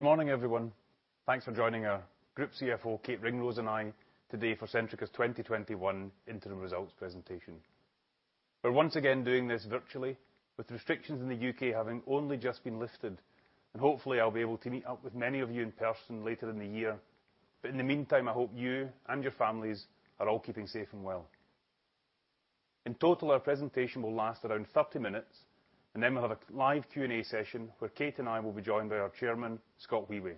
Morning, everyone. Thanks for joining our Group CFO, Kate Ringrose, and I today for Centrica's 2021 Interim Results presentation. We're once again doing this virtually, with restrictions in the U.K. having only just been lifted, and hopefully I'll be able to meet up with many of you in person later in the year. In the meantime, I hope you and your families are all keeping safe and well. In total, our presentation will last around 30 minutes, and then we'll have a live Q&A session where Kate and I will be joined by our Chairman, Scott Wheway.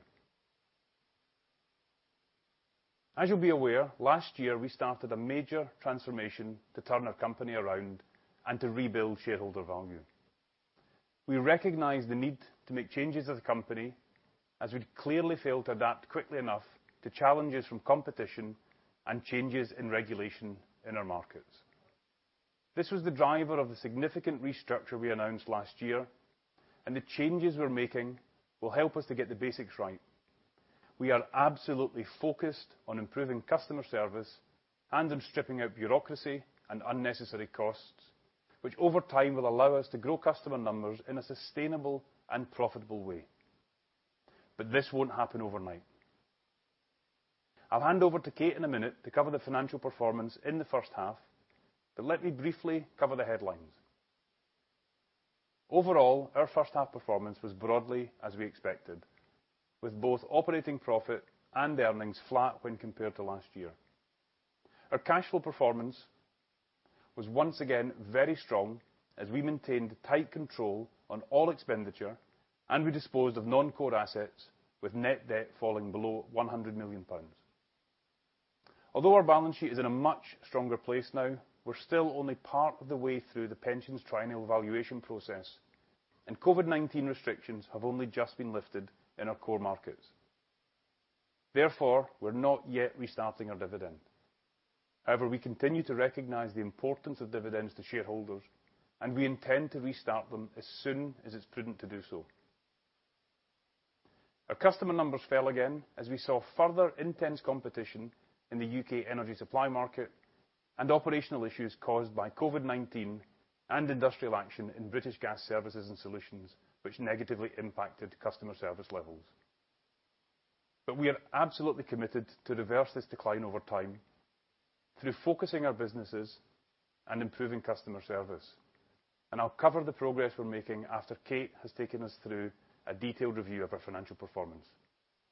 As you'll be aware, last year we started a major transformation to turn our company around and to rebuild shareholder value. We recognize the need to make changes as a company, as we clearly failed to adapt quickly enough to challenges from competition and changes in regulation in our markets. This was the driver of the significant restructure we announced last year, and the changes we're making will help us to get the basics right. We are absolutely focused on improving customer service and on stripping out bureaucracy and unnecessary costs, which over time will allow us to grow customer numbers in a sustainable and profitable way. This won't happen overnight. I'll hand over to Kate in a minute to cover the financial performance in the1st half, but let me briefly cover the headlines. Overall, our 1st half performance was broadly as we expected, with both operating profit and earnings flat when compared to last year. Our cash flow performance was once again very strong, as we maintained tight control on all expenditure and we disposed of non-core assets, with net debt falling below 100 million pounds. Although our balance sheet is in a much stronger place now, we are still only part of the way through the pensions triennial valuation process, and COVID-19 restrictions have only just been lifted in our core markets. Therefore, we are not yet restarting our dividend. However, we continue to recognize the importance of dividends to shareholders, and we intend to restart them as soon as it is prudent to do so. Our customer numbers fell again as we saw further intense competition in the U.K. energy supply market and operational issues caused by COVID-19 and industrial action in British Gas Services and Solutions, which negatively impacted customer service levels. We are absolutely committed to reverse this decline over time through focusing our businesses and improving customer service. And I will cover the progress we are making after Kate has taken us through a detailed review of our financial performance.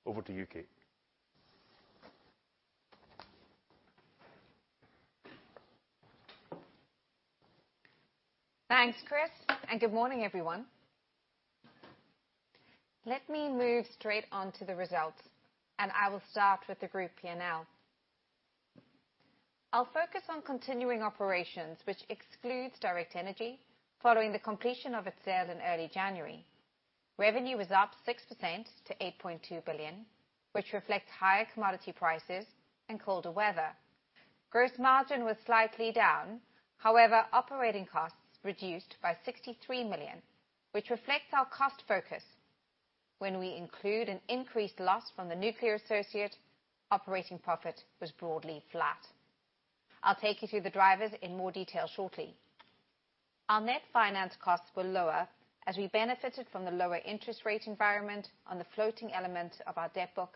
Over to you, Kate. Thanks, Chris. Good morning, everyone. Let me move straight on to the results. I will start with the Group P&L. I'll focus on continuing operations, which excludes Direct Energy following the completion of its sale in early January. Revenue was up 6% to 8.2 billion, which reflects higher commodity prices and colder weather. Gross margin was slightly down. However, operating costs reduced by 63 million, which reflects our cost focus. When we include an increased loss from the Nuclear associate, operating profit was broadly flat. I'll take you through the drivers in more detail shortly. Our net finance costs were lower as we benefited from the lower interest rate environment on the floating element of our debt book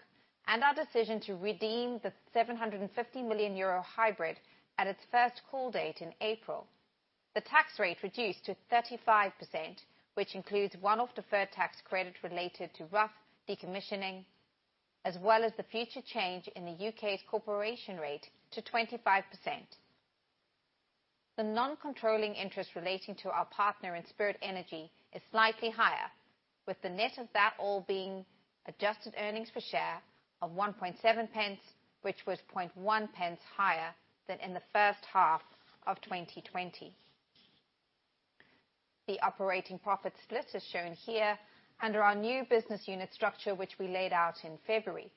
and our decision to redeem the 750 million euro hybrid at its first call date in April. The tax rate reduced to 35%, which includes one-off of deferred tax credit related to Rough decommissioning, as well as the future change in the U.K.'s corporation rate to 25%. The non-controlling interest relating to our partner in Spirit Energy is slightly higher, with the net of that all being adjusted earnings per share of 0.017, which was 0.001 higher than in the 1st half of 2020. The operating profit split is shown here under our new business unit structure, which we laid out in February.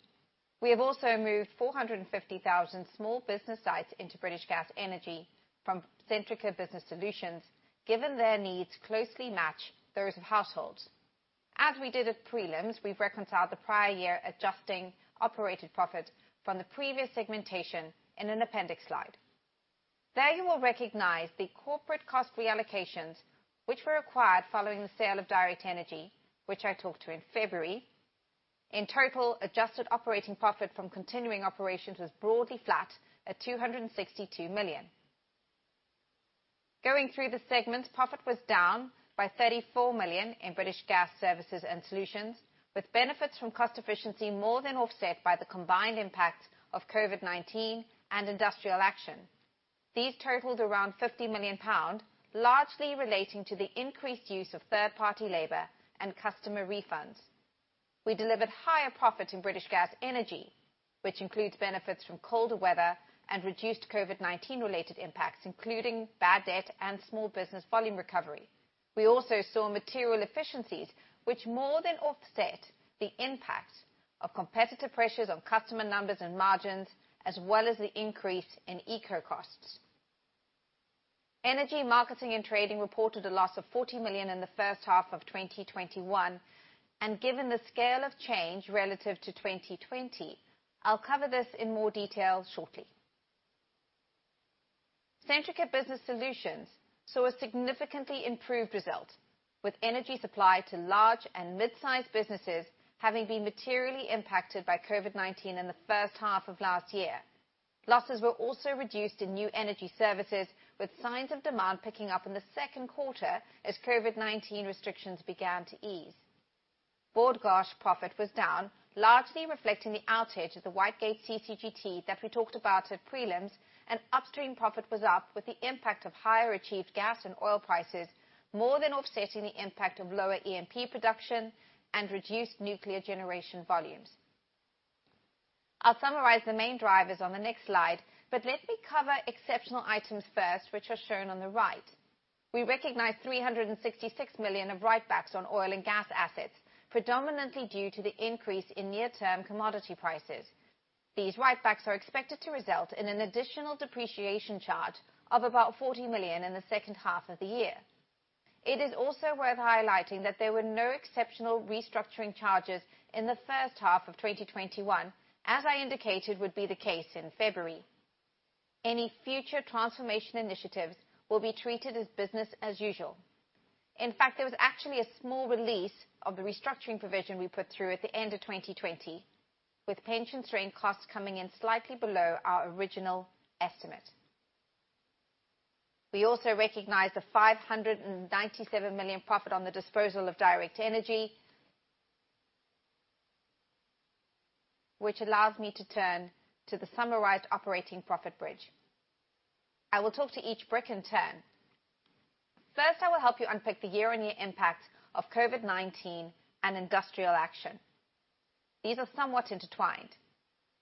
We have also moved 450,000 small business sites into British Gas Energy from Centrica Business Solutions, given their needs closely match those of households. As we did at prelims, we've reconciled the prior year, adjusting operated profit from the previous segmentation in an appendix slide. There you will recognize the corporate cost reallocations which were required following the sale of Direct Energy, which I talked to in February. In total, adjusted operating profit from continuing operations was broadly flat at 262 million. Going through the segments, profit was down by 34 million in British Gas Services and Solutions, with benefits from cost efficiency more than offset by the combined impact of COVID-19 and industrial action. These totaled around 50 million pounds, largely relating to the increased use of third-party labor and customer refunds. We delivered higher profit in British Gas Energy, which includes benefits from colder weather and reduced COVID-19 related impacts, including bad debt and small business volume recovery. We also saw material efficiencies, which more than offset the impact of competitive pressures on customer numbers and margins, as well as the increase in ECO costs. Energy Marketing and Trading reported a loss of 40 million in the1st half of 2021. Given the scale of change relative to 2020, I'll cover this in more detail shortly. Centrica Business Solutions saw a significantly improved result, with energy supply to large and mid-size businesses having been materially impacted by COVID-19 in the 1st half of last year. Losses were also reduced in new energy services, with signs of demand picking up in the second quarter as COVID-19 restrictions began to ease. Bord Gáis Energy profit was down, largely reflecting the outage of the Whitegate CCGT that we talked about at prelims. Upstream profit was up, with the impact of higher achieved gas and oil prices more than offsetting the impact of lower E&P production and reduced nuclear generation volumes. I'll summarize the main drivers on the next slide, but let me cover exceptional items first, which are shown on the right. We recognize 366 million of write-backs on oil and gas assets, predominantly due to the increase in near-term commodity prices. These write-backs are expected to result in an additional depreciation charge of about 40 million in the second half of the year. It is also worth highlighting that there were no exceptional restructuring charges in the 1st half of 2021, as I indicated would be the case in February. Any future transformation initiatives will be treated as business as usual. In fact, there was actually a small release of the restructuring provision we put through at the end of 2020, with pension strain costs coming in slightly below our original estimate. We also recognize the 597 million profit on the disposal of Direct Energy, which allows me to turn to the summarized operating profit bridge. I will talk to each brick in turn. First, I will help you unpick the year-on-year impact of COVID-19 and industrial action. These are somewhat intertwined.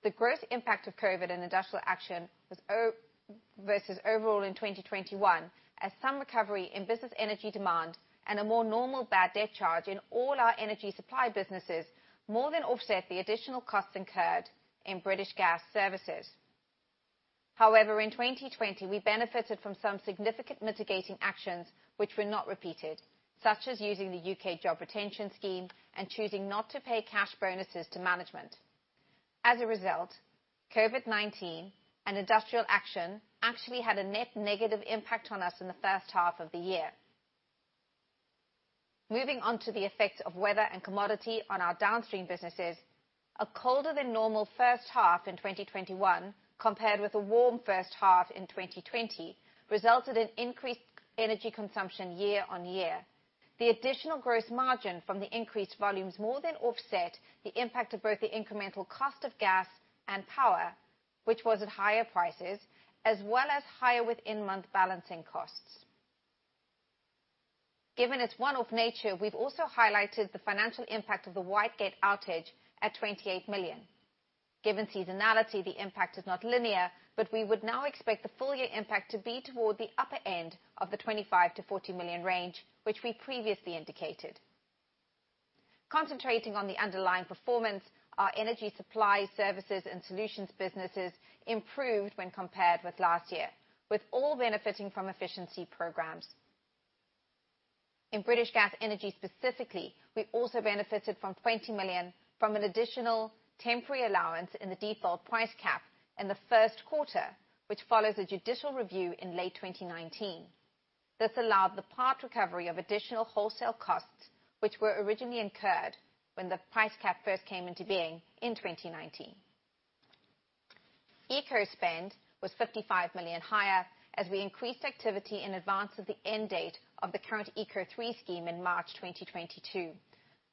The gross impact of COVID-19 and industrial action versus overall in 2021, as some recovery in business energy demand and a more normal bad debt charge in all our energy supply businesses more than offset the additional costs incurred in British Gas Services. However, in 2020, we benefited from some significant mitigating actions which were not repeated, such as using the U.K. Job Retention Scheme and choosing not to pay cash bonuses to management. As a result, COVID-19 and industrial action actually had a net negative impact on us in the 1st half of the year. Moving on to the effects of weather and commodity on our downstream businesses, a colder than normal 1st half in 2021, compared with a warm 1st half in 2020, resulted in increased energy consumption year-on-year. The additional gross margin from the increased volumes more than offset the impact of both the incremental cost of gas and power, which was at higher prices, as well as higher within-month balancing costs. Given its one-off nature, we've also highlighted the financial impact of the Whitegate outage at 28 million. Given seasonality, the impact is not linear, but we would now expect the full year impact to be toward the upper end of the 25 million-40 million range, which we previously indicated. Concentrating on the underlying performance, our Energy Supply Services and Solutions businesses improved when compared with last year, with all benefiting from efficiency programs. In British Gas Energy specifically, we also benefited from 20 million from an additional temporary allowance in the default price cap in the first quarter, which follows a judicial review in late 2019. This allowed the part recovery of additional wholesale costs, which were originally incurred when the price cap first came into being in 2019. ECO spend was 55 million higher as we increased activity in advance of the end date of the current ECO3 scheme in March 2022.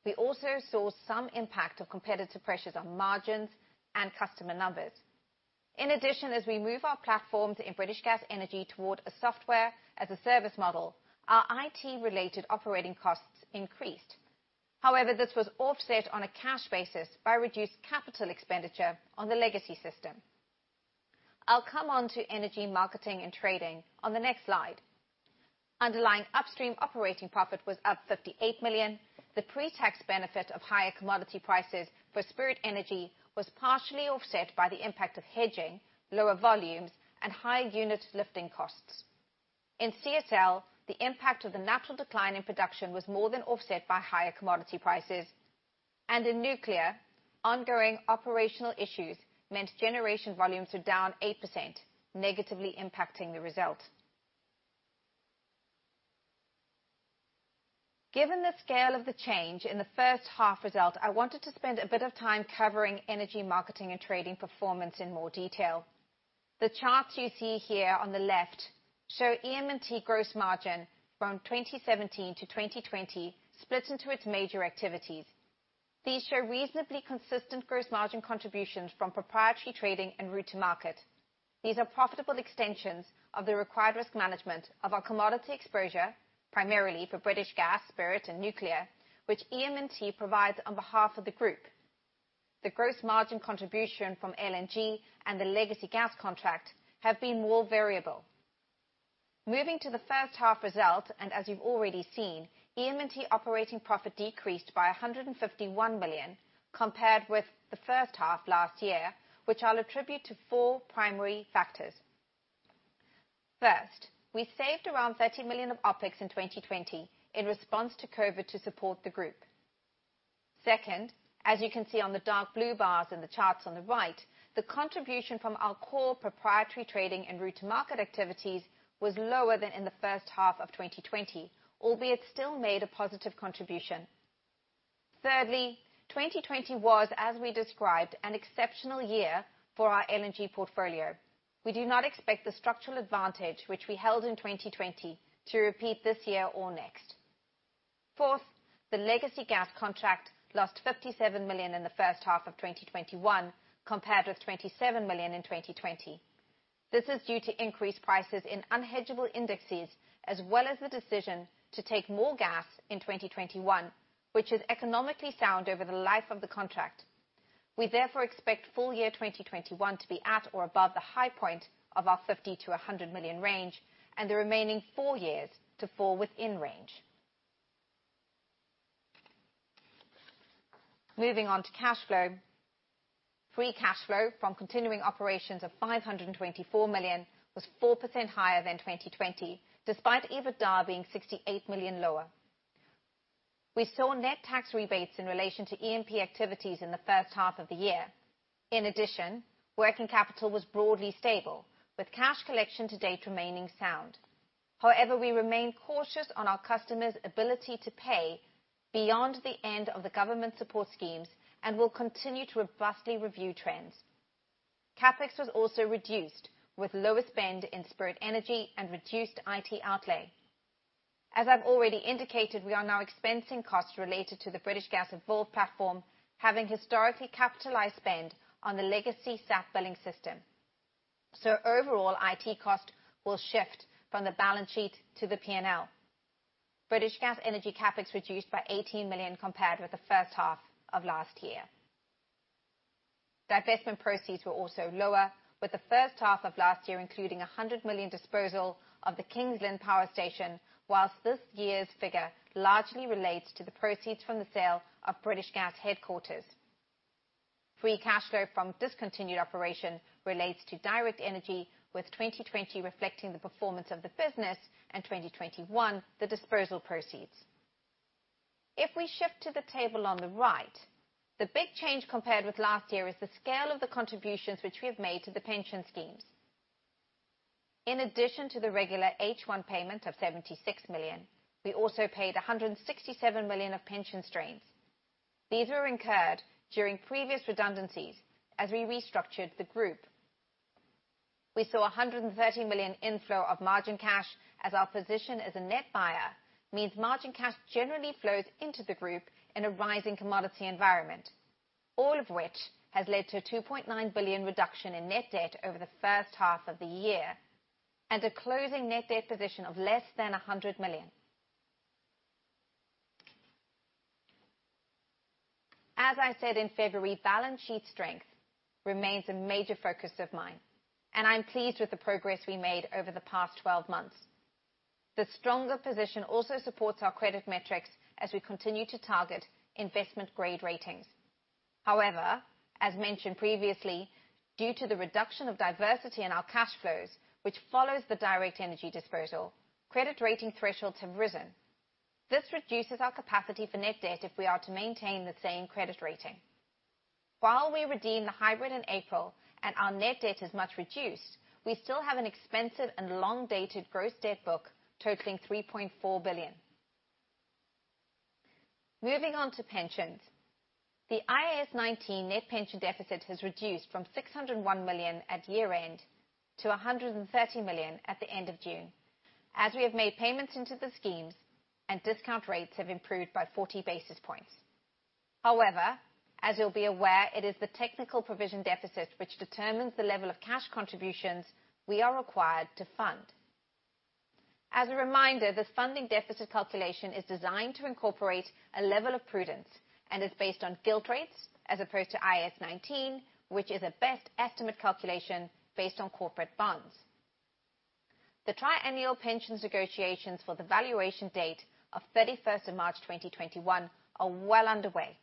We also saw some impact of competitive pressures on margins and customer numbers. In addition, as we move our platforms in British Gas Energy toward a software-as-a-service model, our IT-related operating costs increased. However, this was offset on a cash basis by reduced capital expenditure on the legacy system. I'll come on to Energy Marketing and Trading on the next slide. Underlying upstream operating profit was up 58 million. The pre-tax benefit of higher commodity prices for Spirit Energy was partially offset by the impact of hedging, lower volumes, and higher unit lifting costs. In CSL, the impact of the natural decline in production was more than offset by higher commodity prices. In Nuclear, ongoing operational issues meant generation volumes were down 8%, negatively impacting the result. Given the scale of the change in the 1st half result, I wanted to spend a bit of time covering Energy Marketing and Trading performance in more detail. The charts you see here on the left show EM&T gross margin from 2017 to 2020 split into its major activities. These show reasonably consistent gross margin contributions from proprietary trading and route to market. These are profitable extensions of the required risk management of our commodity exposure, primarily for British Gas, Spirit, and Nuclear, which EM&T provides on behalf of the group. The gross margin contribution from LNG and the legacy gas contract have been more variable. Moving to the 1st half result, as you've already seen, EM&T operating profit decreased by 151 million compared with the 1st half last year, which I'll attribute to four primary factors. First, we saved around 30 million of OpEx in 2020 in response to COVID to support the group. Second, as you can see on the dark blue bars in the charts on the right, the contribution from our core proprietary trading and route to market activities was lower than in the 1st half of 2020, albeit still made a positive contribution. Thirdly, 2020 was, as we described, an exceptional year for our LNG portfolio. We do not expect the structural advantage which we held in 2020 to repeat this year or next. Fourth, the legacy gas contract lost 57 million in the 1st half of 2021, compared with 27 million in 2020. This is due to increased prices in unhedgable indexes, as well as the decision to take more gas in 2021, which is economically sound over the life of the contract. We therefore expect full year 2021 to be at or above the high point of our 50 million-100 million range, and the remaining four years to fall within range. Moving on to cash flow. Free cash flow from continuing operations of 524 million was 4% higher than 2020, despite EBITDA being 68 million lower. We saw net tax rebates in relation to E&P activities in the 1st half of the year. In addition, working capital was broadly stable, with cash collection to date remaining sound. However, we remain cautious on our customers' ability to pay beyond the end of the government support schemes and will continue to robustly review trends. CapEx was also reduced, with lower spend in Spirit Energy and reduced IT outlay. As I've already indicated, we are now expensing costs related to the British Gas Evolve platform, having historically capitalized spend on the legacy SAP billing system. Overall, IT cost will shift from the balance sheet to the P&L. British Gas Energy CapEx reduced by 18 million compared with the 1st half of last year. Divestment proceeds were also lower, with the 1st half of last year including 100 million disposal of the King's Lynn power station, whilst this year's figure largely relates to the proceeds from the sale of British Gas headquarters. Free cash flow from discontinued operation relates to Direct Energy, with 2020 reflecting the performance of the business and 2021 the disposal proceeds. If we shift to the table on the right, the big change compared with last year is the scale of the contributions which we have made to the pension schemes. In addition to the regular H1 payment of 76 million, we also paid 167 million of pension strains. These were incurred during previous redundancies as we restructured the group. We saw 130 million inflow of margin cash, as our position as a net buyer means margin cash generally flows into the group in a rising commodity environment. All of which has led to a 2.9 billion reduction in net debt over the 1st half of the year, and a closing net debt position of less than 100 million. As I said in February, balance sheet strength remains a major focus of mine, and I'm pleased with the progress we made over the past 12 months. The stronger position also supports our credit metrics, as we continue to target investment grade ratings. As mentioned previously, due to the reduction of diversity in our cash flows, which follows the Direct Energy disposal, credit rating thresholds have risen. This reduces our capacity for net debt if we are to maintain the same credit rating. We redeem the hybrid in April and our net debt is much reduced, we still have an expensive and long-dated gross debt book totaling 3.4 billion. Moving on to pensions. The IAS 19 net pension deficit has reduced from 601 million at year end to 130 million at the end of June, as we have made payments into the schemes and discount rates have improved by 40 basis points. As you'll be aware, it is the technical provision deficit which determines the level of cash contributions we are required to fund. As a reminder, this funding deficit calculation is designed to incorporate a level of prudence and is based on gilt rates as opposed to IAS 19, which is a best estimate calculation based on corporate bonds. The triennial pensions negotiations for the valuation date of 31st of March 2021 are well underway.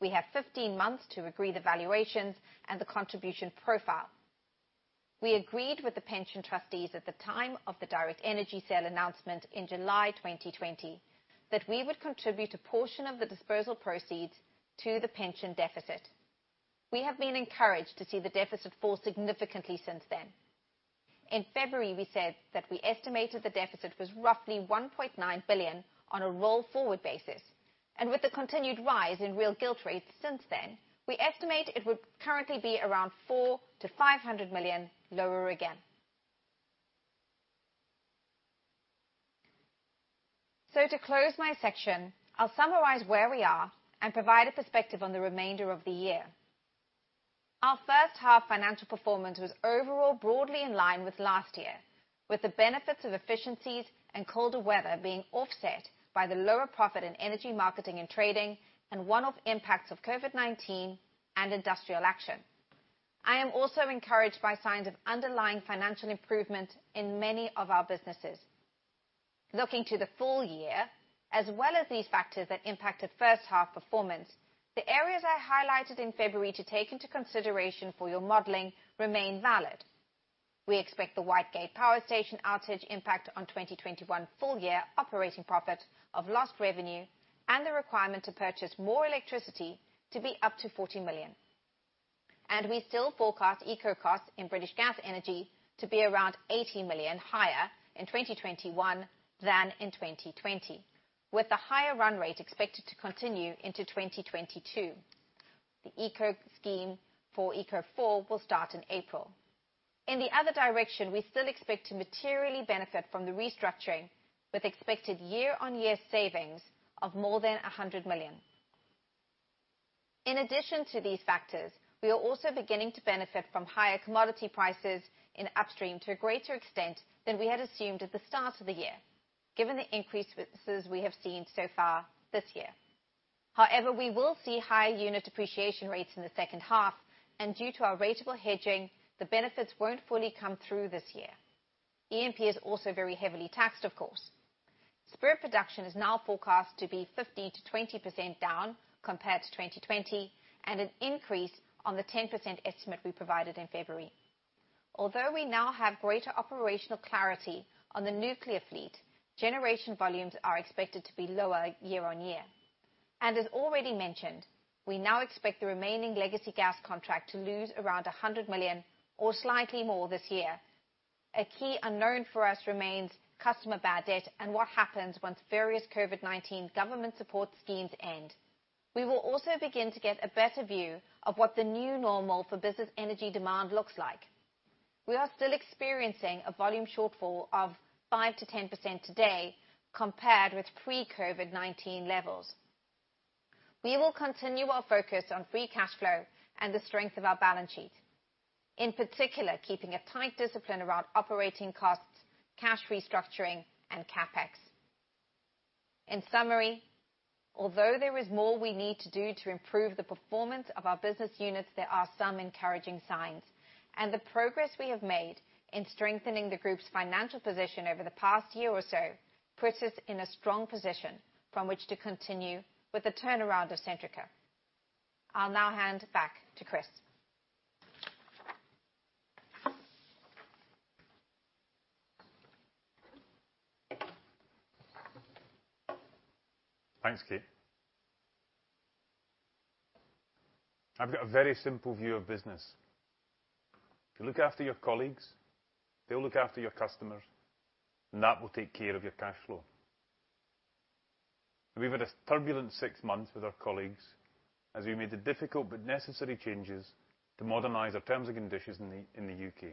We have 15 months to agree the valuations and the contribution profile. We agreed with the pension trustees at the time of the Direct Energy sale announcement in July 2020 that we would contribute a portion of the disposal proceeds to the pension deficit. We have been encouraged to see the deficit fall significantly since then. In February, we said that we estimated the deficit was roughly 1.9 billion on a roll-forward basis. With the continued rise in real gilt rates since then, we estimate it would currently be around 400-500 million lower again. To close my section, I'll summarize where we are and provide a perspective on the remainder of the year. Our 1st half financial performance was overall broadly in line with last year, with the benefits of efficiencies and colder weather being offset by the lower profit in energy marketing and trading and one-off impacts of COVID-19 and industrial action. I am also encouraged by signs of underlying financial improvement in many of our businesses. Looking to the full year, as well as these factors that impacted 1st half performance, the areas I highlighted in February to take into consideration for your modeling remain valid. We expect the Whitegate power station outage impact on 2021 full-year operating profit of lost revenue and the requirement to purchase more electricity to be up to 40 million. I still forecast ECO costs in British Gas Energy to be around 80 million higher in 2021 than in 2020, with the higher run rate expected to continue into 2022. The ECO scheme for ECO4 will start in April. In the other direction, I still expect to materially benefit from the restructuring, with expected year-on-year savings of more than 100 million. In addition to these factors, we are also beginning to benefit from higher commodity prices in upstream to a greater extent than we had assumed at the start of the year, given the increased windfalls we have seen so far this year. However, we will see higher unit depreciation rates in the second half, and due to our ratable hedging, the benefits won't fully come through this year. EM&T is also very heavily taxed, of course. Spirit production is now forecast to be 15%-20% down compared to 2020, and an increase on the 10% estimate we provided in February. Although we now have greater operational clarity on the Nuclear fleet, generation volumes are expected to be lower year-on-year. As already mentioned, we now expect the remaining legacy gas contract to lose around 100 million or slightly more this year. A key unknown for us remains customer bad debt and what happens once various COVID-19 government support schemes end. We will also begin to get a better view of what the new normal for business energy demand looks like. We are still experiencing a volume shortfall of 5%-10% today compared with pre-COVID-19 levels. We will continue our focus on free cash flow and the strength of our balance sheet. In particular, keeping a tight discipline around operating costs, cash restructuring, and CapEx. In summary, although there is more we need to do to improve the performance of our business units, there are some encouraging signs. The progress we have made in strengthening the group's financial position over the past year or so puts us in a strong position from which to continue with the turnaround of Centrica. I'll now hand back to Chris. Thanks, Kate. I've got a very simple view of business. You look after your colleagues, they'll look after your customers, and that will take care of your cash flow. We've had a turbulent six months with our colleagues as we made the difficult but necessary changes to modernize our terms and conditions in the U.K.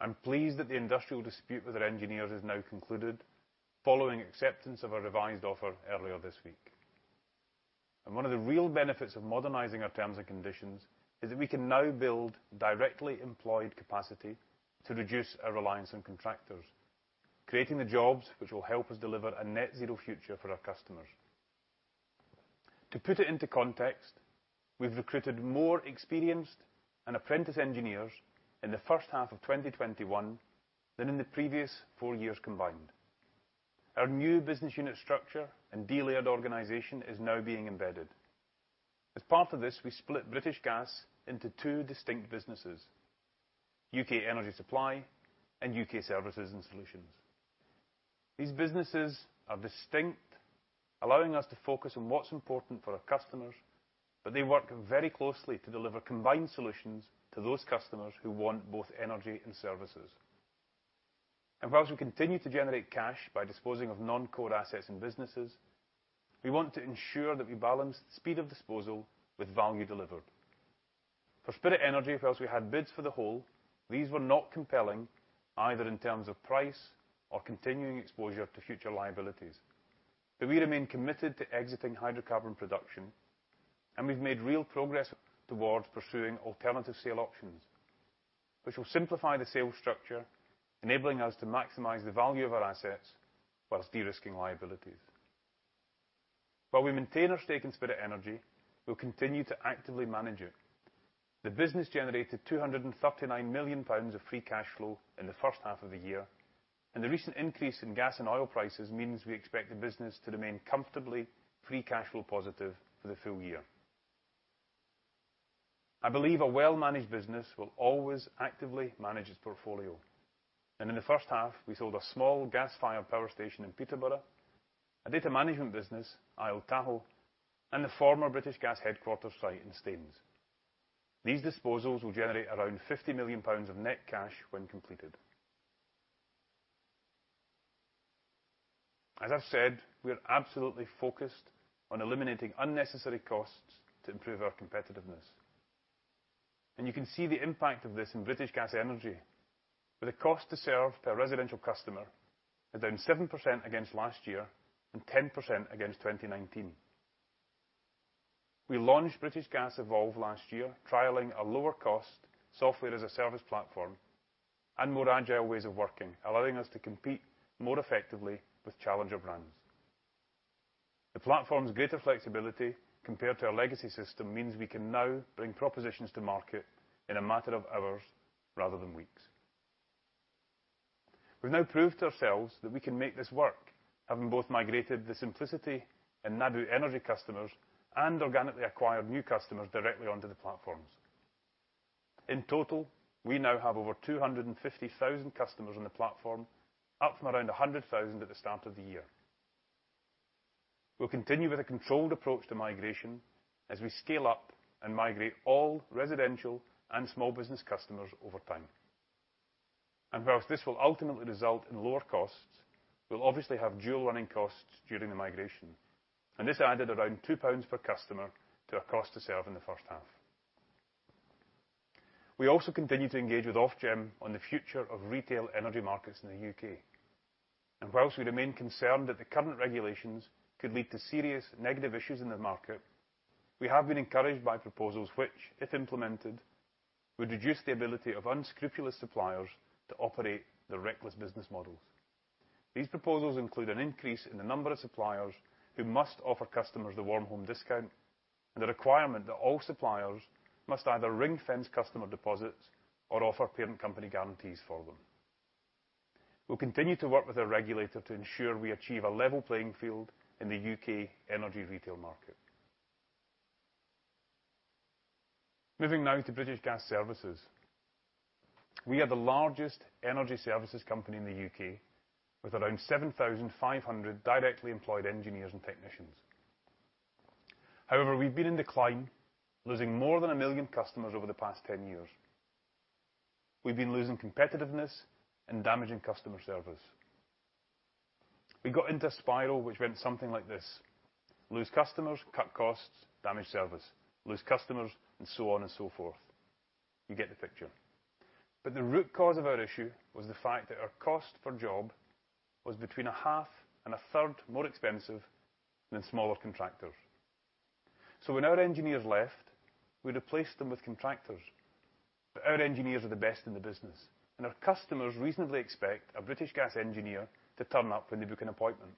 I'm pleased that the industrial dispute with our engineers is now concluded following acceptance of a revised offer earlier this week. One of the real benefits of modernizing our terms and conditions is that we can now build directly employed capacity to reduce our reliance on contractors, creating the jobs which will help us deliver a net zero future for our customers. To put it into context, we've recruited more experienced and apprentice engineers in the 1st half of 2021 than in the previous four years combined. Our new business unit structure and delayered organization is now being embedded. As part of this, we split British Gas into two distinct businesses, U.K. Energy Supply and U.K. Services and Solutions. These businesses are distinct, allowing us to focus on what's important for our customers, but they work very closely to deliver combined solutions to those customers who want both energy and services. Whilst we continue to generate cash by disposing of non-core assets and businesses, we want to ensure that we balance speed of disposal with value delivered. For Spirit Energy, whilst we had bids for the whole, these were not compelling either in terms of price or continuing exposure to future liabilities. We remain committed to exiting hydrocarbon production, and we've made real progress towards pursuing alternative sale options, which will simplify the sales structure, enabling us to maximize the value of our assets whilst de-risking liabilities. While we maintain our stake in Spirit Energy, we'll continue to actively manage it. The business generated 239 million pounds of free cash flow in the 1st half of the year, and the recent increase in gas and oil prices means we expect the business to remain comfortably free cash flow positive for the full year. I believe a well-managed business will always actively manage its portfolio. In the 1st half, we sold a small gas-fired power station in Peterborough, a data management business, Io-Tahoe, and the former British Gas headquarters site in Staines. These disposals will generate around GBP 50 million of net cash when completed. You can see the impact of this in British Gas Energy, where the cost to serve per residential customer is down 7% against last year and 10% against 2019. We launched British Gas Evolve last year, trialing a lower cost software-as-a-service platform and more agile ways of working, allowing us to compete more effectively with challenger brands. The platform's greater flexibility compared to our legacy system means we can now bring propositions to market in a matter of hours rather than weeks. We've now proved to ourselves that we can make this work, having both migrated the Simplicity Energy and Nabuh Energy customers and organically acquired new customers directly onto the platforms. In total, we now have over 250,000 customers on the platform, up from around 100,000 at the start of the year. We'll continue with a controlled approach to migration as we scale up and migrate all residential and small business customers over time. Whilst this will ultimately result in lower costs, we'll obviously have dual running costs during the migration. This added around 2 pounds per customer to our cost to serve in the 1st half. We also continue to engage with Ofgem on the future of retail energy markets in the U.K. Whilst we remain concerned that the current regulations could lead to serious negative issues in the market, we have been encouraged by proposals which, if implemented, would reduce the ability of unscrupulous suppliers to operate their reckless business models. These proposals include an increase in the number of suppliers who must offer customers the Warm Home Discount, and the requirement that all suppliers must either ring-fence customer deposits or offer parent company guarantees for them. We'll continue to work with our regulator to ensure we achieve a level playing field in the U.K. energy retail market. Moving now to British Gas Services. We are the largest energy services company in the U.K., with around 7,500 directly employed engineers and technicians. We've been in decline, losing more than a million customers over the past 10 years. We've been losing competitiveness and damaging customer service. We got into a spiral which went something like this, lose customers, cut costs, damage service. Lose customers, and so on and so forth. You get the picture. The root cause of our issue was the fact that our cost per job was between a half and a third more expensive than smaller contractors. When our engineers left, we replaced them with contractors. Our engineers are the best in the business. Our customers reasonably expect a British Gas engineer to turn up when they book an appointment.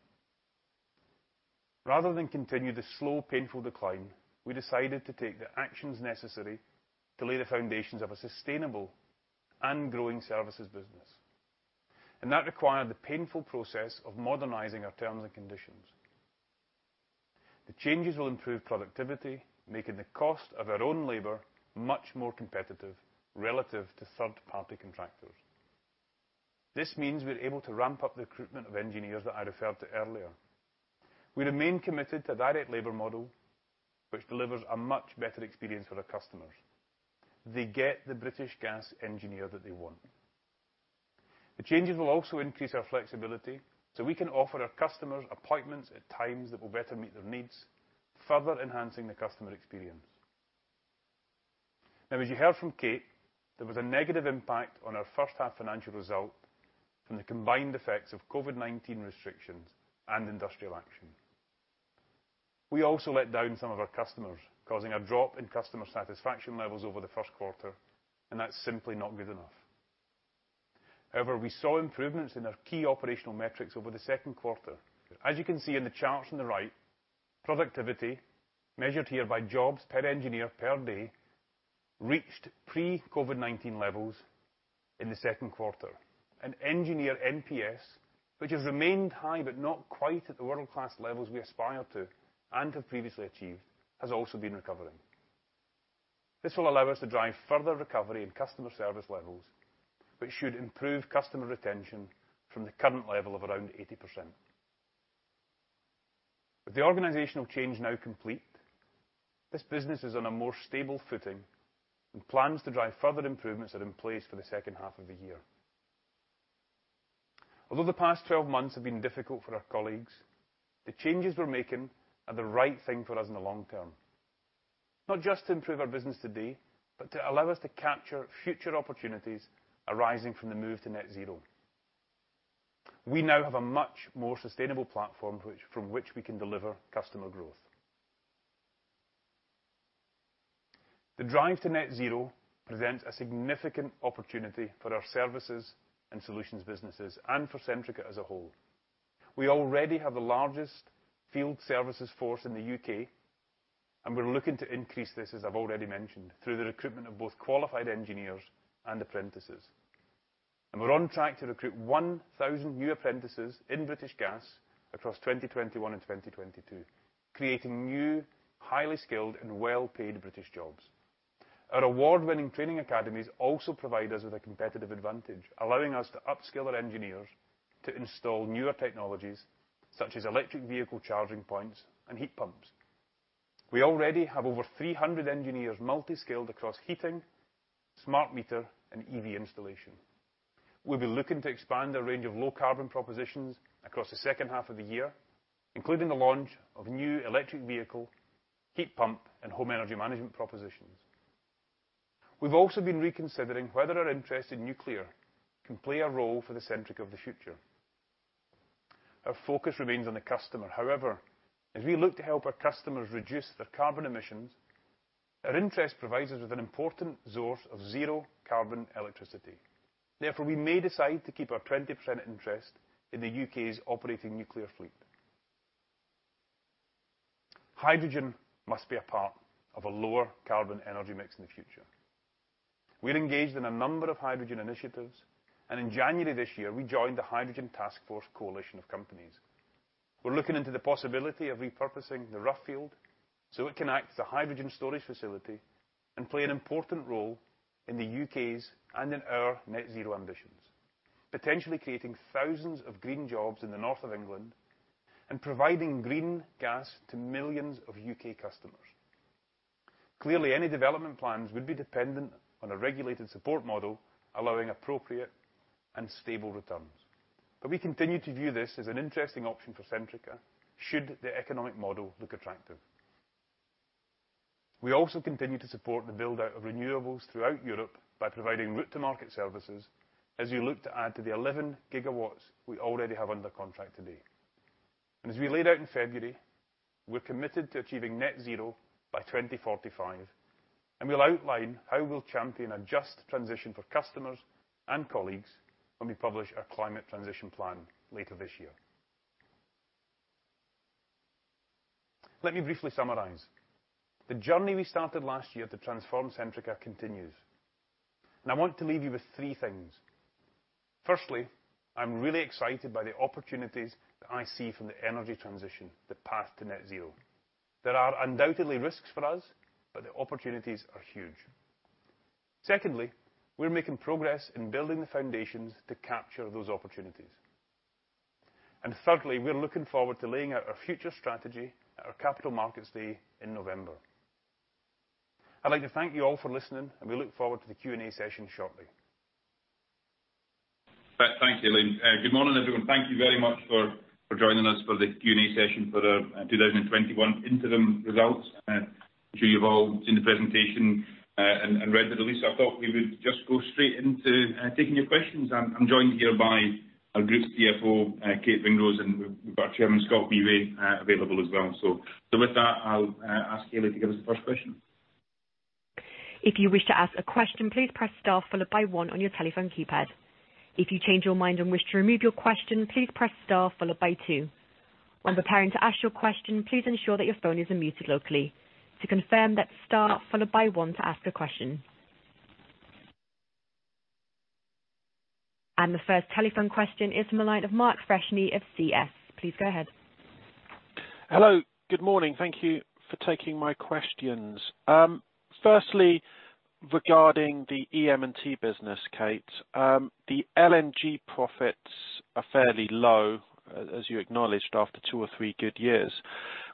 Rather than continue the slow, painful decline, we decided to take the actions necessary to lay the foundations of a sustainable and growing services business, and that required the painful process of modernizing our terms and conditions. The changes will improve productivity, making the cost of our own labor much more competitive relative to third-party contractors. This means we're able to ramp up the recruitment of engineers that I referred to earlier. We remain committed to a direct labor model, which delivers a much better experience for our customers. They get the British Gas engineer that they want. The changes will also increase our flexibility so we can offer our customers appointments at times that will better meet their needs, further enhancing the customer experience. As you heard from Kate Ringrose, there was a negative impact on our 1st half financial result from the combined effects of COVID-19 restrictions and industrial action. We also let down some of our customers, causing a drop in customer satisfaction levels over the first quarter, that's simply not good enough. We saw improvements in our key operational metrics over the second quarter. As you can see in the charts on the right, productivity, measured here by jobs per engineer per day, reached pre-COVID-19 levels in the second quarter. Engineer NPS, which has remained high but not quite at the world-class levels we aspire to and have previously achieved, has also been recovering. This will allow us to drive further recovery in customer service levels, which should improve customer retention from the current level of around 80%. With the organizational change now complete, this business is on a more stable footing, and plans to drive further improvements are in place for the second half of the year. Although the past 12 months have been difficult for our colleagues, the changes we're making are the right thing for us in the long term. Not just to improve our business today, but to allow us to capture future opportunities arising from the move to net zero. We now have a much more sustainable platform from which we can deliver customer growth. The drive to net zero presents a significant opportunity for our services and solutions businesses and for Centrica as a whole. We already have the largest field services force in the U.K., and we're looking to increase this, as I've already mentioned, through the recruitment of both qualified engineers and apprentices. We're on track to recruit 1,000 new apprentices in British Gas across 2021 and 2022, creating new, highly skilled, and well-paid British jobs. Our award-winning training academies also provide us with a competitive advantage, allowing us to upskill our engineers to install newer technologies such as electric vehicle charging points and heat pumps. We already have over 300 engineers multi-skilled across heating, smart meter, and EV installation. We'll be looking to expand our range of low carbon propositions across the second half of the year, including the launch of new electric vehicle, heat pump, and home energy management propositions. We've also been reconsidering whether our interest in Nuclear can play a role for the Centrica of the future. Our focus remains on the customer. However, as we look to help our customers reduce their carbon emissions, our interest provides us with an important source of zero carbon electricity. We may decide to keep our 20% interest in the U.K.'s operating Nuclear fleet. Hydrogen must be a part of a lower carbon energy mix in the future. We're engaged in a number of hydrogen initiatives. In January this year, we joined the Hydrogen Taskforce coalition of companies. We're looking into the possibility of repurposing the Rough field so it can act as a hydrogen storage facility and play an important role in the U.K.'s and in our net zero ambitions, potentially creating thousands of green jobs in the north of England and providing green gas to millions of U.K. customers. Any development plans would be dependent on a regulated support model allowing appropriate and stable returns. We continue to view this as an interesting option for Centrica, should the economic model look attractive. We also continue to support the build-out of renewables throughout Europe by providing route-to-market services as we look to add to the 11 GW we already have under contract today. As we laid out in February, we're committed to achieving net zero by 2045, and we'll outline how we'll champion a just transition for customers and colleagues when we publish our climate transition plan later this year. Let me briefly summarize. The journey we started last year to transform Centrica continues, and I want to leave you with three things. Firstly, I'm really excited by the opportunities that I see from the energy transition, the path to net zero. There are undoubtedly risks for us, but the opportunities are huge. Secondly, we're making progress in building the foundations to capture those opportunities. Thirdly, we're looking forward to laying out our future strategy at our Capital Markets Day in November. I'd like to thank you all for listening, and we look forward to the Q&A session shortly. Thanks, Elaine. Good morning, everyone. Thank you very much for joining us for the Q&A session for our 2021 Interim Results. I'm sure you've all seen the presentation and read the release. I thought we would just go straight into taking your questions. I'm joined here by our Group CFO, Kate Ringrose, and we've got our Chairman, Scott Wheway, available as well. With that, I'll ask Elaine to give us the first question. If you wish to ask a question, please press star followed by one on your telephone keypad. If you change your mind and wish to remove your question, please press star followed by two. When preparing to ask your question, please ensure that your phone is unmuted locally. To confirm, that's star followed by one to ask a question. The first telephone question is from the line of Mark Freshney of CS. Please go ahead. Hello. Good morning. Thank you for taking my questions. Firstly, regarding the EM&T business, Kate, the LNG profits are fairly low, as you acknowledged, after two or three good years,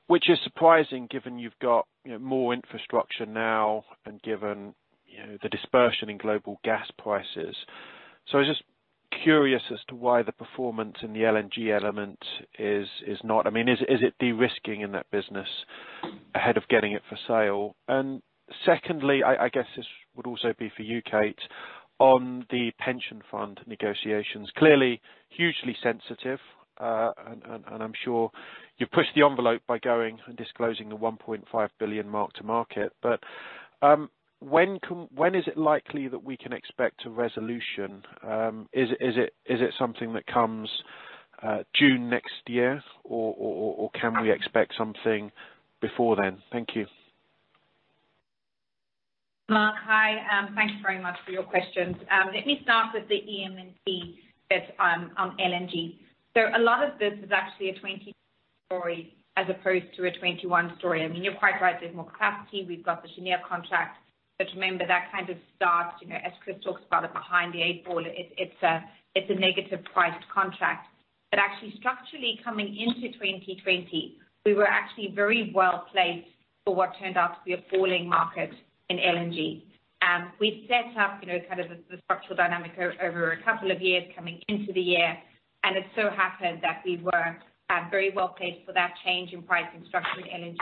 which is surprising given you've got more infrastructure now and given the dispersion in global gas prices. I was just curious as to why the performance in the LNG element, is it de-risking in that business ahead of getting it for sale? Secondly, I guess this would also be for you, Kate, on the pension fund negotiations. Clearly hugely sensitive. I'm sure you pushed the envelope by going and disclosing the 1.5 billion mark to market. When is it likely that we can expect a resolution? Is it something that comes June next year, or can we expect something before then? Thank you. Mark, Hi. Thank you very much for your questions. Let me start with the EM&T bit on LNG. A lot of this is actually a 2020 story as opposed to a 2021 story. You're quite right, there's more capacity. We've got the Cheniere contract. Remember, that kind of starts, as Chris talks about it, behind the eight ball. It's a negative priced contract. Actually structurally coming into 2020, we were actually very well placed for what turned out to be a falling market in LNG. We'd set up kind of the structural dynamic over a couple of years coming into the year, and it so happened that we were very well placed for that change in pricing structure in LNG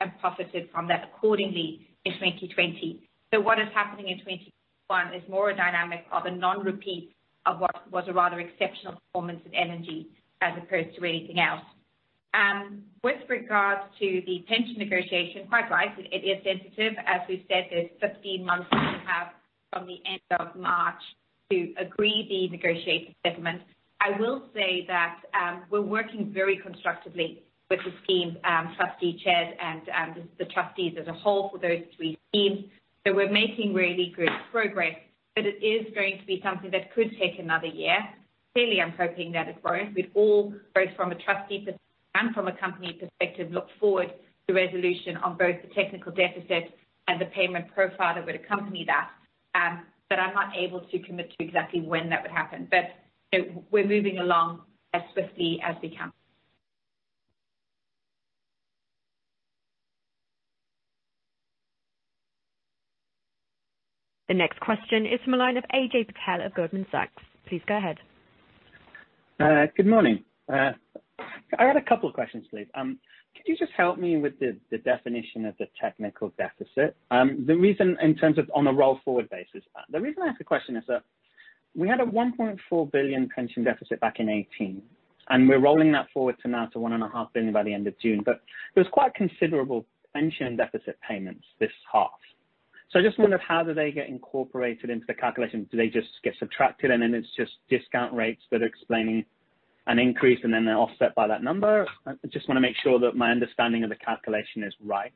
and profited from that accordingly in 2020. What is happening in 2021 is more a dynamic of a non-repeat of what was a rather exceptional performance in LNG as opposed to anything else. With regards to the pension negotiation, quite rightly, it is sensitive. As we've said, there's 15 months we have from the end of March to agree the negotiation settlement. I will say that we're working very constructively with the scheme trustee chairs and the trustees as a whole for those three schemes. We're making really good progress, but it is going to be something that could take another year. Clearly, I'm hoping that it won't. We'd all, both from a trustee perspective and from a company perspective, look forward to resolution on both the technical deficit and the payment profile that would accompany that. I'm not able to commit to exactly when that would happen. We're moving along as swiftly as we can. The next question is from the line of Ajay Patel of Goldman Sachs. Please go ahead. Good morning. I got a couple questions, please. Could you just help me with the definition of the technical deficit? In terms of on a roll-forward basis. The reason I ask the question is that we had a 1.4 billion pension deficit back in 2018, and we're rolling that forward to now to 1.5 billion by the end of June. There was quite considerable pension deficit payments this half. I just wondered, how do they get incorporated into the calculation? Do they just get subtracted and then it's just discount rates that are explaining an increase, and then they're offset by that number? I just want to make sure that my understanding of the calculation is right.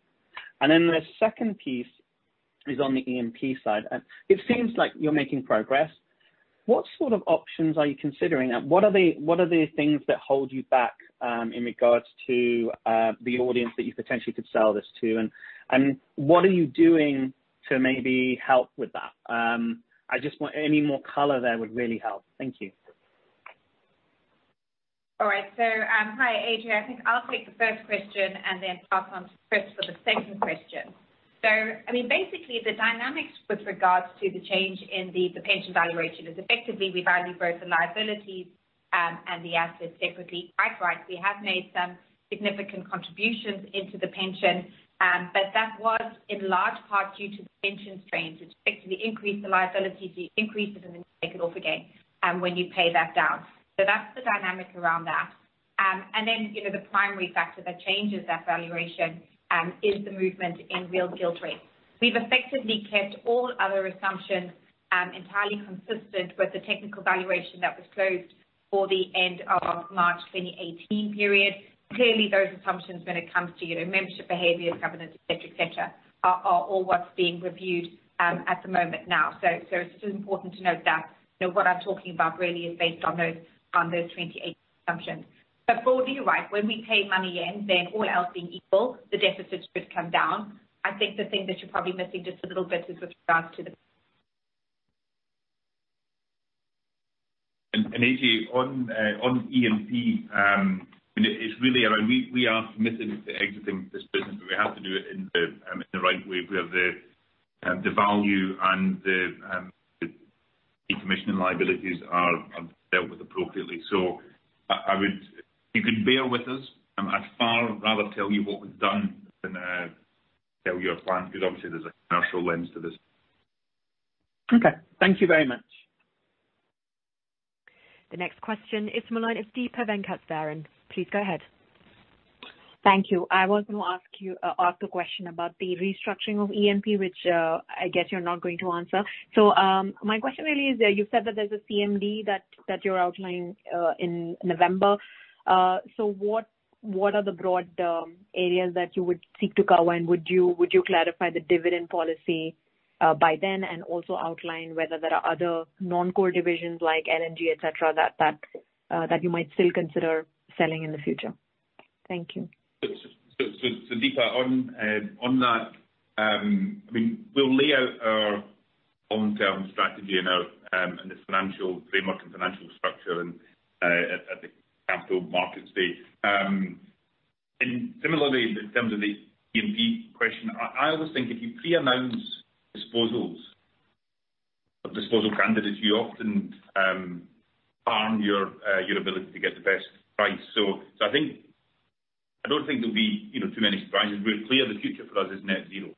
The second piece is on the E&P side. It seems like you're making progress. What sort of options are you considering? What are the things that hold you back, in regards to the audience that you potentially could sell this to? What are you doing to maybe help with that? Any more color there would really help. Thank you. All right. Hi, Ajay. I think I'll take the first question and then pass on to Chris for the second question. The dynamics with regards to the change in the pension valuation is effectively we value both the liabilities and the assets separately. Quite right, we have made some significant contributions into the pension. That was in large part due to the pension strains, which increase the liabilities, you increase it and then take it off again, and when you pay that down. That's the dynamic around that. The primary factor that changes that valuation is the movement in real gilt rates. We've effectively kept all other assumptions entirely consistent with the technical valuation that was closed for the end of March 2018 period. Clearly, those assumptions, when it comes to membership behavior, governance, et cetera, are all what's being reviewed at the moment now. It's still important to note that what I'm talking about really is based on those 2018 assumptions. Broadly, you're right. When we pay money in, then all else being equal, the deficits should come down. I think the thing that you're probably missing just a little bit is with regards to the- Ajay, on E&P, we are committed to exiting this business, but we have to do it in the right way where the value and the decommissioning liabilities are dealt with appropriately. If you can bear with us. I'd far rather tell you what we've done than tell you a plan, because obviously there's a commercial lens to this. Okay. Thank you very much. The next question is the line of Deepa Venkateswaran. Please go ahead. Thank you. I was going to ask a question about the restructuring of E&P, which I guess you're not going to answer. My question really is, you said that there's a CMD that you're outlining in November. What are the broad areas that you would seek to cover? Would you clarify the dividend policy by then, also outline whether there are other non-core divisions like LNG, et cetera, that you might still consider selling in the future? Thank you. Deepa, on that, we'll lay out our long-term strategy and the financial framework and financial structure at the Capital Markets Day. Similarly, in terms of the E&P question, I always think if you preannounce disposals or disposal candidates, you often harm your ability to get the best price. I don't think there'll be too many surprises. We're clear the future for us is net zero,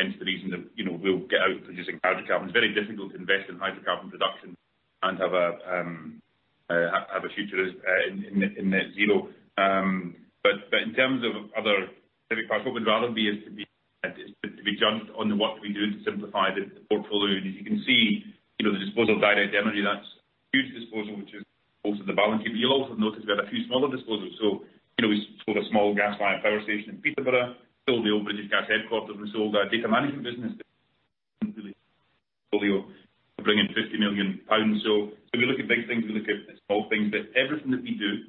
hence the reason that we'll get out producing hydrocarbons. Very difficult to invest in hydrocarbon production and have a future in net zero. In terms of other specific parts, what we'd rather is to be judged on the work that we do to simplify the portfolio. As you can see, the disposal of Direct Energy, that's a huge disposal which is most of the balance sheet. You'll also notice we had a few smaller disposals. We sold a small gas-fired power station in Peterborough, sold the old British Gas headquarters. We sold our data management business completely to bring in 50 million pounds. We look at big things, we look at small things. Everything that we do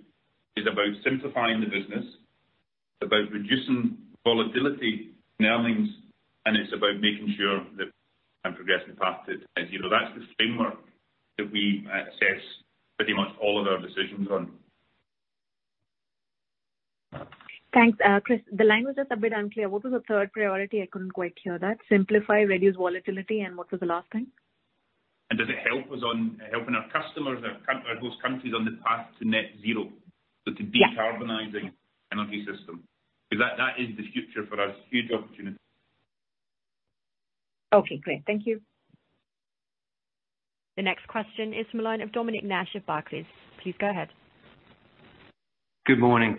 is about simplifying the business, about reducing volatility in earnings, and it's about making sure that I'm progressing fast as you know. That's the framework that we assess pretty much all of our decisions on. Thanks, Chris. The language was a bit unclear. What was the third priority? I couldn't quite hear that. Simplify, reduce volatility, and what was the last thing? Does it help us on helping our customers, our host countries on the path to net zero? Yeah. To decarbonizing energy system. That is the future for us. Huge opportunity. Okay, great. Thank you. The next question is the line of Dominic Nash of Barclays. Please go ahead. Good morning.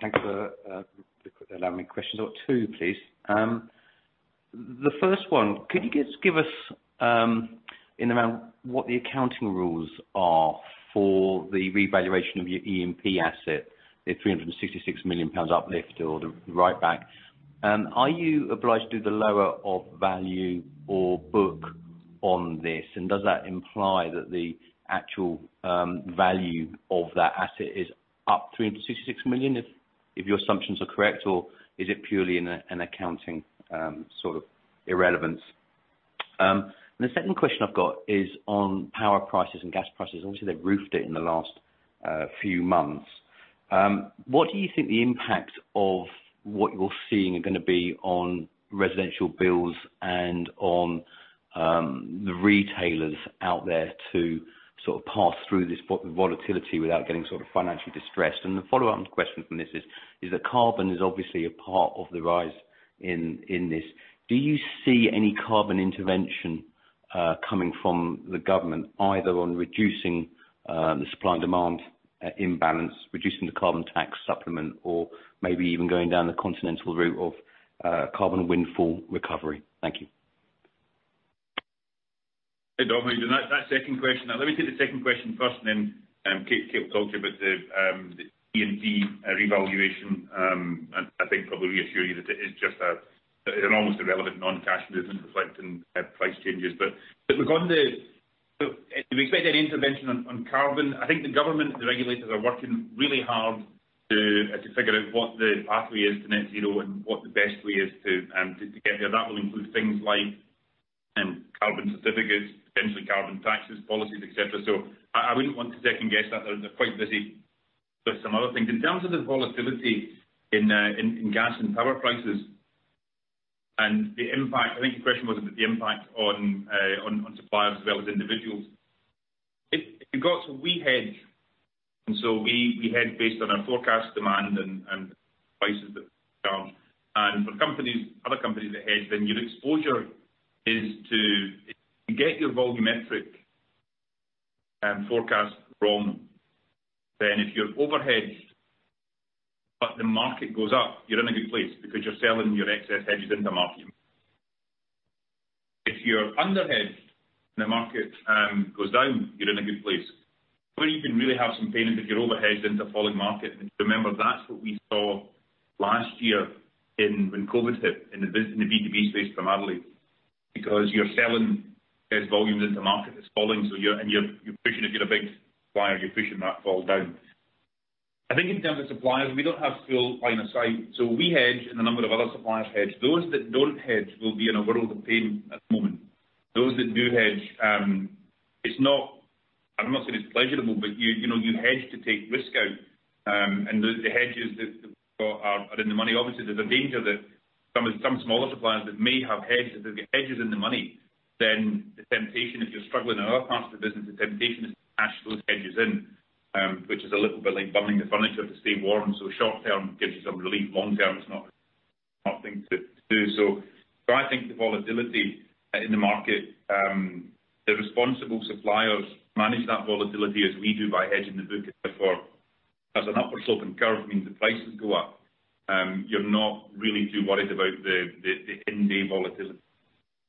Thanks for allowing me questions. Two, please. The first one, could you just give us an amount what the accounting rules are for the revaluation of your E&P asset, the 366 million pounds uplift or the write back? Are you obliged to do the lower of value or book on this? Does that imply that the actual value of that asset is up to 366 million, if your assumptions are correct? Is it purely an accounting sort of irrelevance? The second question I've got is on power prices and gas prices. Obviously, they've roofed it in the last few months. What do you think the impact of what you're seeing are going to be on residential bills and on the retailers out there to sort of pass through this volatility without getting sort of financially distressed? The follow-on question from this is that carbon is obviously a part of the rise in this. Do you see any carbon intervention coming from the government, either on reducing the supply and demand imbalance, reducing the carbon tax supplement, or maybe even going down the continental route of carbon windfall recovery? Thank you. Hey, Dominic. That second question. Let me take the second question first, and then Kate will talk to you about the E&P revaluation. I think probably reassure you that it is just an almost irrelevant non-cash because it's reflecting price changes. Do we expect any intervention on carbon? I think the government and the regulators are working really hard to figure out what the pathway is to net zero and what the best way is to get there. That will include things like carbon certificates, potentially carbon taxes, policies, et cetera. I wouldn't want to second-guess that. They're quite busy with some other things. In terms of the volatility in gas and power prices and the impact, I think your question was about the impact on suppliers as well as individuals. We hedge, and so we hedge based on our forecast demand and prices that we charge. For other companies that hedge, then your exposure is to get your volumetric forecast wrong, then if you're over-hedged but the market goes up, you're in a good place because you're selling your excess hedges in the market. If you're under-hedged and the market goes down, you're in a good place. Where you can really have some pain is if you're over-hedged into a falling market. Remember, that's what we saw last year when COVID hit in the B2B space primarily, because you're selling gas volumes into a market that's falling, and you're pushing. If you're a big buyer, you're pushing that fall down. I think in terms of suppliers, we don't have full line of sight. We hedge and a number of other suppliers hedge. Those that don't hedge will be in a world of pain at the moment. Those that do hedge, I'm not saying it's pleasurable, but you hedge to take risk out. The hedges that we've got are in the money. Obviously, there's a danger that some smaller suppliers that may have hedged, if they've got hedges in the money, then the temptation, if you're struggling in other parts of the business, the temptation is to cash those hedges in, which is a little bit like burning the furniture to stay warm. Short-term, gives you some relief. Long-term, it's not a good thing to do. I think the volatility in the market, the responsible suppliers manage that volatility, as we do, by hedging the book. Therefore, as an upward-sloping curve means the prices go up, you're not really too worried about the in-day volatility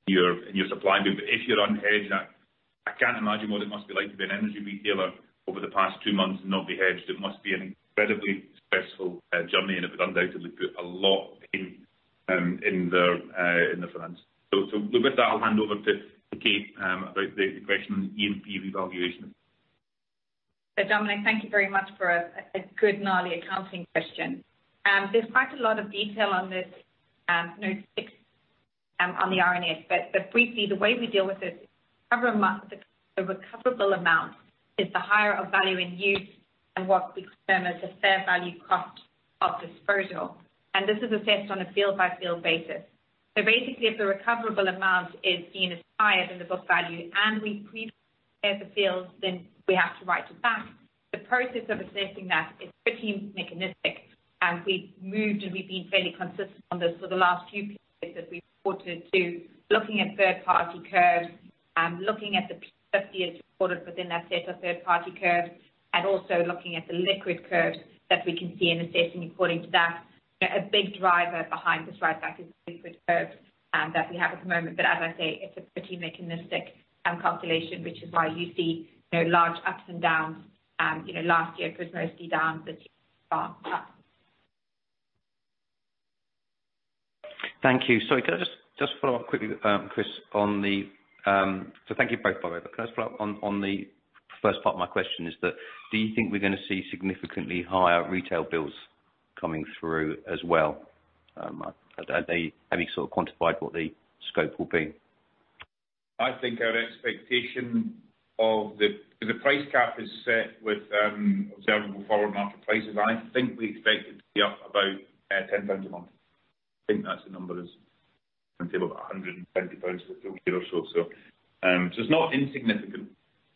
in your supply. If you're unhedged, I can't imagine what it must be like to be an energy retailer over the past two months and not be hedged. It must be an incredibly stressful journey, and it would undoubtedly put a lot of pain in their finance. With that, I'll hand over to Kate about the question on E&P revaluation. Dominic, thank you very much for a good, gnarly accounting question. There's quite a lot of detail on this, Note 6 on the RNS. Briefly, the way we deal with this, the recoverable amount is the higher of value in use and what we determine as the fair value cost of disposal. This is assessed on a field-by-field basis. Basically, if the recoverable amount is seen as higher than the book value and we pre-pay the fields, then we have to write it back. The process of assessing that is pretty mechanistic, and we've moved and we've been fairly consistent on this for the last few periods that we've reported to looking at third-party curves, looking at the P50 as reported within that set of third-party curves, and also looking at the liquid curves that we can see and assessing according to that. A big driver behind this write-back is the liquid curves that we have at the moment. As I say, it's a pretty mechanistic calculation, which is why you see large ups and downs. Last year it was mostly downs, this year so far, ups. Thank you. Sorry, could I just follow up quickly, Chris? Thank you both, by the way, but can I just follow up on the first part of my question is that do you think we're going to see significantly higher retail bills coming through as well? Have you sort of quantified what the scope will be? I think our expectation of the, because the price cap is set with observable forward market prices, I think we expect it to be up about 10 pounds a month. I think that's the number that's on the table, 120 pounds for the year or so. It's not insignificant,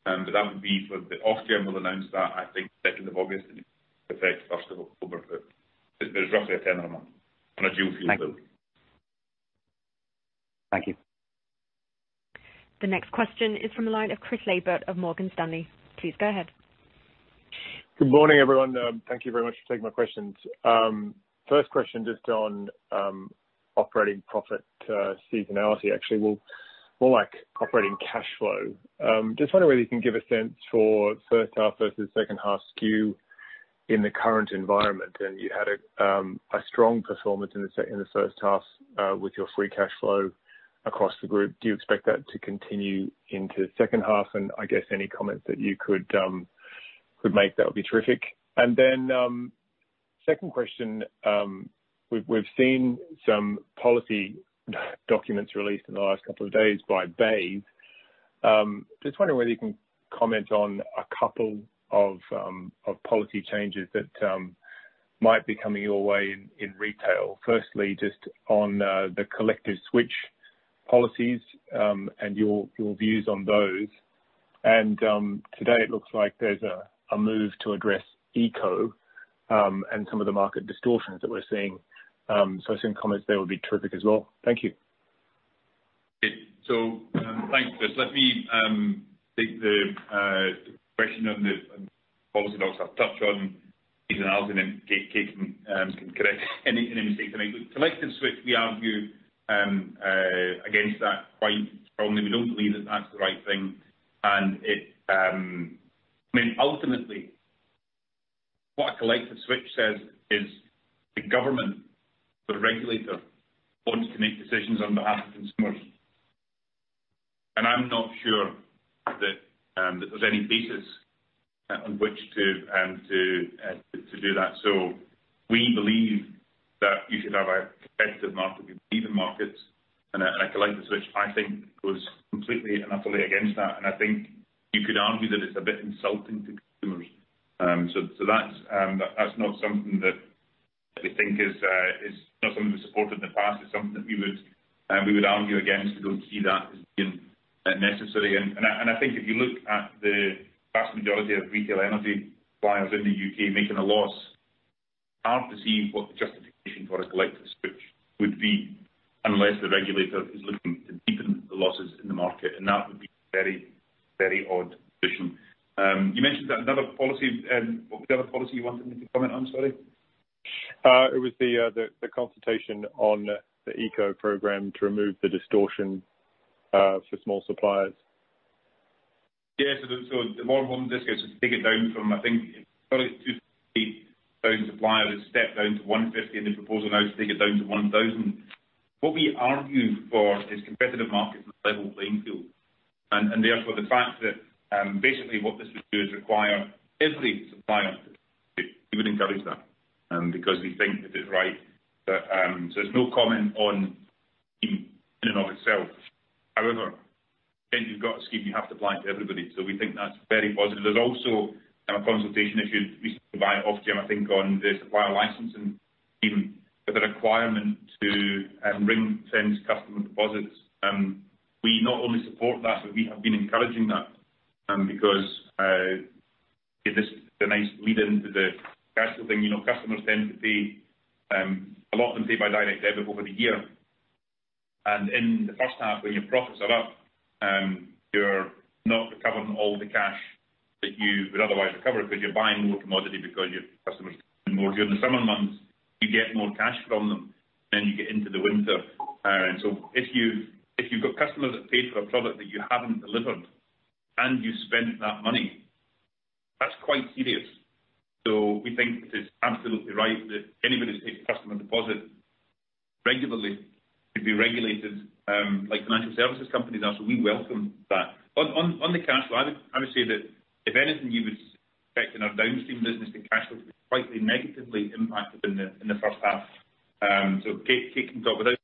but that would be for the, Ofgem will announce that, I think, 2nd of August, and it affects 1st of October. There's roughly a 10 a month on a dual fuel bill. Thank you. The next question is from the line of Chris Laybutt of Morgan Stanley. Please go ahead. Good morning, everyone. Thank you very much for taking my questions. First question, just on operating profit seasonality, actually, more like operating cash flow. Just wonder whether you can give a sense for first half versus second half skew in the current environment. You had a strong performance in the first half with your free cash flow across the group. Do you expect that to continue into the second half? I guess any comments that you could make, that would be terrific. Then, second question. We've seen some policy documents released in the last couple of days by BEIS. Just wondering whether you can comment on a couple of policy changes that might be coming your way in retail. Firstly, just on the collective switch policies and your views on those. Today it looks like there's a move to address ECO and some of the market distortions that we're seeing. Some comments there would be terrific as well. Thank you. Thanks, Chris. Let me take the question on the policy docs. I'll touch on it, and then Kate can correct any mistakes I make. Collective switch, we argue against that quite strongly. We don't believe that that's the right thing, and ultimately, what a collective switch says is the government, the regulator, wants to make decisions on behalf of consumers. I'm not sure that there's any basis on which to do that. We believe that you should have a competitive market. We believe in markets, and a collective switch, I think, goes completely and utterly against that. I think you could argue that it's a bit insulting to consumers. That's not something that we've supported in the past. It's something that we would argue against. We don't see that as being necessary. I think if you look at the vast majority of retail energy suppliers in the U.K. making a loss, it's hard to see what the justification for a collective switch would be, unless the regulator is looking to deepen the losses in the market. That would be a very odd position. You mentioned another policy. What was the other policy you wanted me to comment on? Sorry. It was the consultation on the ECO program to remove the distortion for small suppliers. Yes. The more important discussion to take it down from, I think, currently 250 suppliers has stepped down to 150, and the proposal now is to take it down to 1,000. What we argue for is competitive markets and a level playing field, and therefore, the fact that basically what this would do is require every supplier we would encourage that because we think that it's right. There's no comment on in and of itself. However, when you've got a scheme, you have to apply it to everybody. We think that's very positive. There's also a consultation issue recently by Ofgem, I think, on the supplier licensing scheme, with a requirement to ring-fence customer deposits. We not only support that, but we have been encouraging that because this is a nice lead-in to the cash flow thing. Customers tend to pay, a lot of them pay by direct debit over the year. In the first half, when your profits are up, you're not recovering all the cash that you would otherwise recover because you're buying more commodity, because your customers more. During the summer months, you get more cash from them than you get into the winter. If you've got customers that paid for a product that you haven't delivered and you spent that money, that's quite serious. We think it is absolutely right that anybody that takes customer deposit regularly should be regulated like financial services companies are. We welcome that. On the cash flow, I would say that if anything, you would expect in our downstream business, the cash flow to be slightly negatively impacted in the first half. Kate can talk about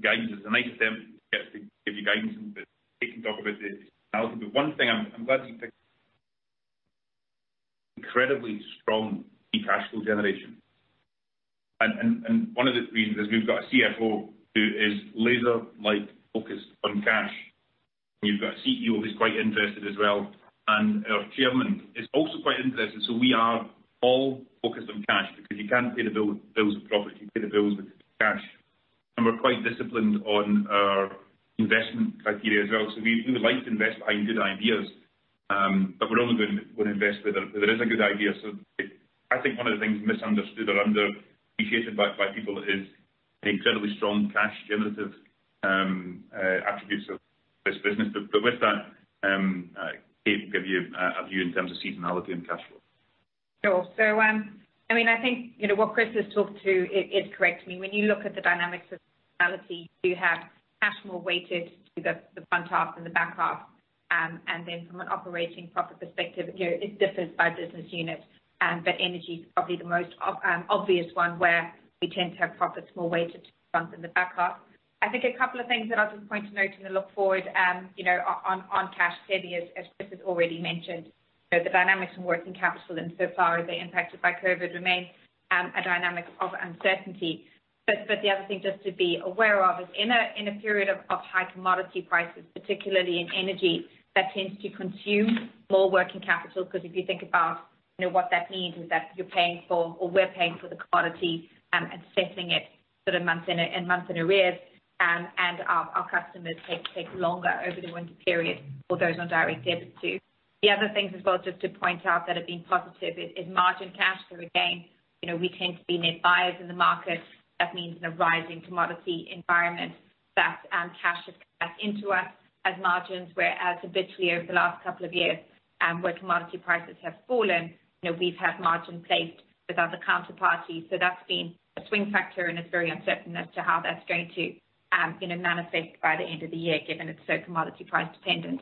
guidance. It's a nice attempt to get us to give you guidance, but Kate can talk about the seasonality. One thing I'm glad you picked incredibly strong free cash flow generation. One of the reasons is we've got a CFO who is laser-like focused on cash. We've got a CEO who is quite interested as well, and our Chairman is also quite interested. We are all focused on cash because you can't pay the bills with profit, you pay the bills with cash. We're quite disciplined on our investment criteria as well. We like to invest behind good ideas, but we're only going to invest where there is a good idea. I think one of the things misunderstood or underappreciated by people is the incredibly strong cash-generative attributes of this business. With that, Kate can give you a view in terms of seasonality and cash flow. Sure. I think what Chris has talked to is correct. When you look at the dynamics of seasonality, you have cash more weighted to the front half than the back half. From an operating profit perspective, it differs by business unit. Energy is probably the most obvious one where we tend to have profits more weighted to the front than the back half. I think a couple of things that I'll just point to note and look forward on cash, as Chris has already mentioned. The dynamics in working capital and so far as they're impacted by COVID remain a dynamic of uncertainty. The other thing just to be aware of is in a period of high commodity prices, particularly in energy, that tends to consume more working capital. Because if you think about what that means is that you're paying for or we're paying for the commodity and settling it sort of month in arrears, and our customers take longer over the winter period for those on direct debit too. The other things as well just to point out that have been positive is margin cash. Again, we tend to be net buyers in the market. That means in a rising commodity environment, that cash is back into us as margins, whereas habitually over the last couple of years, where commodity prices have fallen, we've had margin placed with other counterparties. That's been a swing factor, and it's very uncertain as to how that's going to manifest by the end of the year, given it's so commodity price dependent.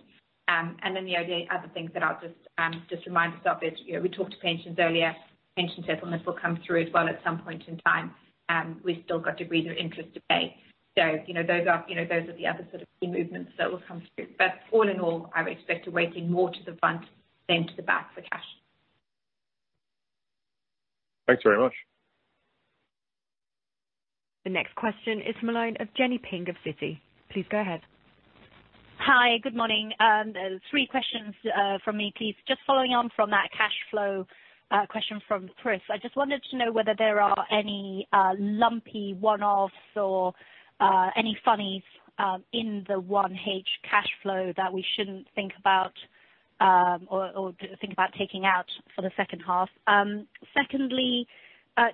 The other things that I'll just remind ourselves is, we talked to pensions earlier. Pension settlements will come through as well at some point in time. We've still got degrees of interest to pay. Those are the other sort of key movements that will come through. All in all, I would expect a weighting more to the front than to the back for cash flow. Thanks very much. The next question is from the line of Jenny Ping of Citi. Please go ahead. Hi, good morning. Three questions from me, please. Just following on from that cash flow question from Chris, I just wanted to know whether there are any lumpy one-offs or any funnies in the 1H cash flow that we shouldn't think about or think about taking out for the 2nd half. Secondly,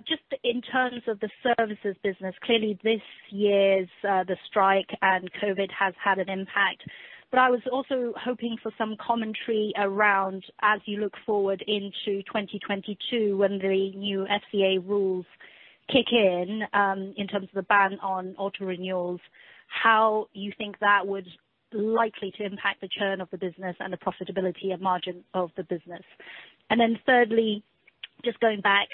just in terms of the services business, clearly this year's, the strike and COVID has had an impact, but I was also hoping for some commentary around as you look forward into 2022 when the new FCA rules kick in terms of the ban on auto renewals, how you think that would likely to impact the churn of the business and the profitability of margin of the business. Thirdly, just going back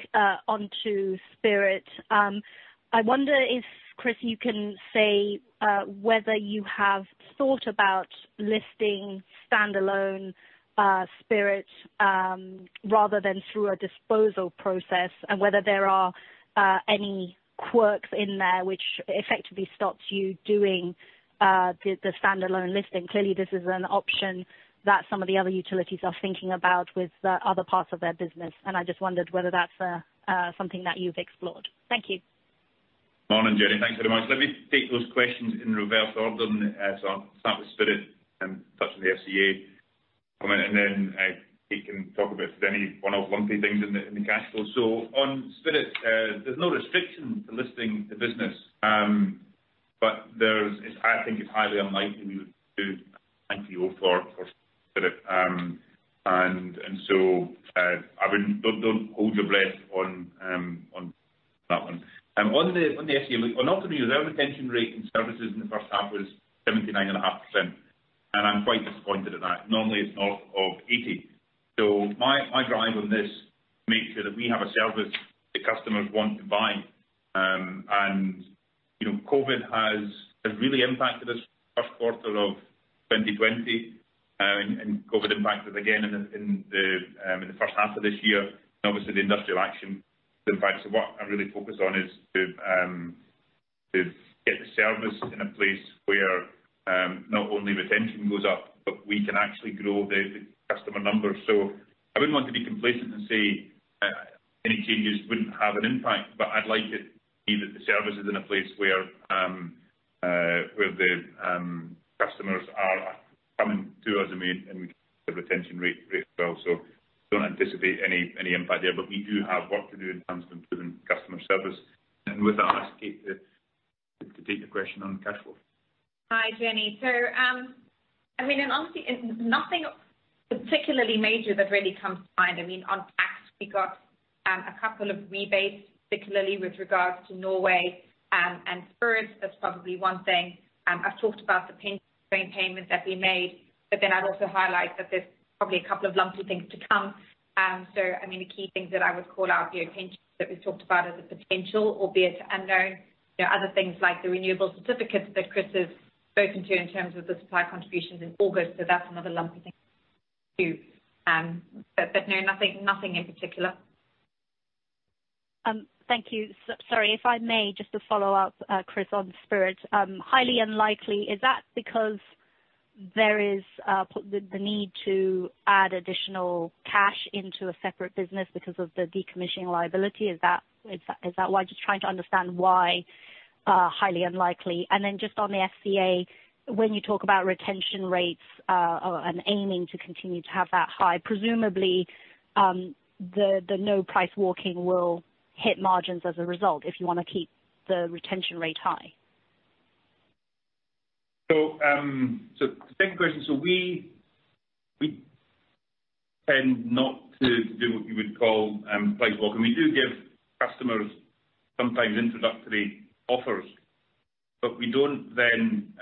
onto Spirit. I wonder if, Chris, you can say whether you have thought about listing standalone Spirit, rather than through a disposal process, and whether there are any quirks in there which effectively stops you doing the standalone listing. Clearly, this is an option that some of the other utilities are thinking about with the other parts of their business, and I just wondered whether that's something that you've explored. Thank you. Morning, Jenny. Thanks very much. Let me take those questions in reverse order. I'll start with Spirit and touch on the FCA comment, and then Kate can talk about any one-off lumpy things in the cash flow. On Spirit, there's no restriction to listing the business. I think it's highly unlikely we would do an IPO for Spirit. Don't hold your breath on that one. On the FCA, on auto-renewal, our retention rate in services in the first half was 79.5%, and I'm quite disappointed at that. Normally, it's north of 80. My drive on this, make sure that we have a service that customers want to buy. COVID has really impacted us, 1st quarter of 2020, COVID impacted again in the 1st half of this year, and obviously the industrial action that impacts it. What I'm really focused on is to get the service in a place where, not only retention goes up, but we can actually grow the customer numbers. I wouldn't want to be complacent and say any changes wouldn't have an impact, but I'd like it to be that the service is in a place where the customers are coming to us, and we keep the retention rate well. Don't anticipate any impact there. But we do have work to do in terms of improving customer service. With that, I'll ask Kate to take the question on cash flow. Hi, Jenny. Honestly, nothing particularly major that really comes to mind. On tax, we got a couple of rebates, particularly with regards to Norway and Spirit. That's probably one thing. I've talked about the pension payments that we made, I'd also highlight that there's probably a couple of lumpy things to come. The key things that I would call out, the pension that we've talked about as a potential, albeit unknown. There are other things like the renewable certificates that Chris has spoken to in terms of the supply contributions in August. That's another lumpy thing too. No, nothing in particular. Thank you. Sorry. If I may just to follow up, Chris, on Spirit. Highly unlikely, is that because there is the need to add additional cash into a separate business because of the decommissioning liability? Is that why? Just trying to understand why highly unlikely. Then just on the FCA, when you talk about retention rates and aiming to continue to have that high, presumably, the no price walking will hit margins as a result if you want to keep the retention rate high. Two separate questions. We tend not to do what you would call price walking. We do give customers sometimes introductory offers. We don't then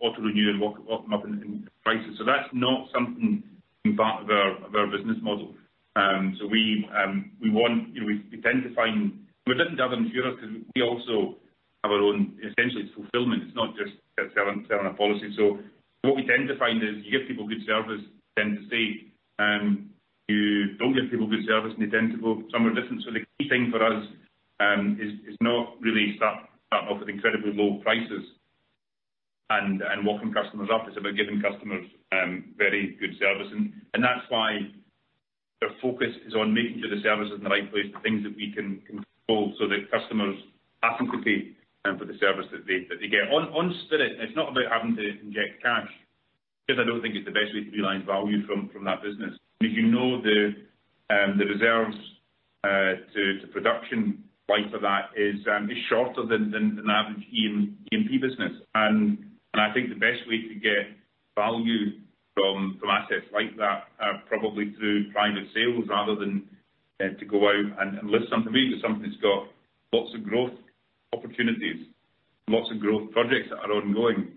auto-renew and walk them up in prices. That's not something that's part of our business model. We tend to find we're different to other insurers because we also have our own, essentially, it's fulfillment. It's not just selling a policy. What we tend to find is you give people good service, they tend to stay. You don't give people good service, and they tend to go somewhere different. The key thing for us is not really start off with incredibly low prices and walking customers up. It's about giving customers very good service. That's why the focus is on making sure the service is in the right place for things that we can control so that customers happily pay for the service that they get. On Spirit, it's not about having to inject cash, because I don't think it's the best way to realize value from that business. As you know, the reserves to production life of that is shorter than the average E&P business. I think the best way to get value from assets like that are probably through private sales rather than to go out and list something. Maybe if something's got lots of growth opportunities, lots of growth projects that are ongoing,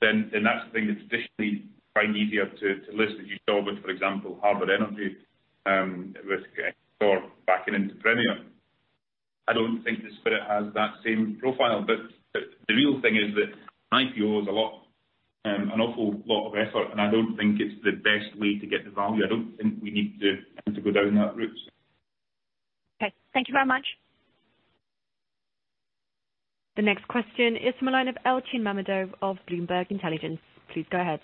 then that's the thing that's traditionally quite easier to list, as you saw with, for example, Harbour Energy with backing into Premier. I don't think the Spirit has that same profile. The real thing is that an IPO is an awful lot of effort, and I don't think it's the best way to get the value. I don't think we need to go down that route. Okay. Thank you very much. The next question is from the line of Elchin Mammadov of Bloomberg Intelligence. Please go ahead.